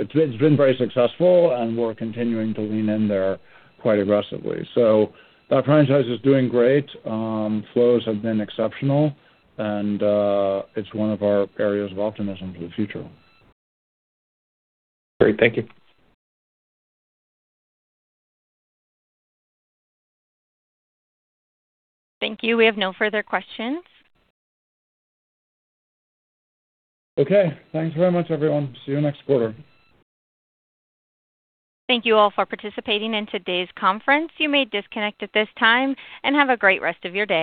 Speaker 2: It's been very successful, and we're continuing to lean in there quite aggressively. So that franchise is doing great. Flows have been exceptional, and it's one of our areas of optimism for the future.
Speaker 13: Great. Thank you.
Speaker 1: Thank you. We have no further questions.
Speaker 2: Okay. Thanks very much, everyone. See you next quarter.
Speaker 1: Thank you all for participating in today's conference. You may disconnect at this time and have a great rest of your day.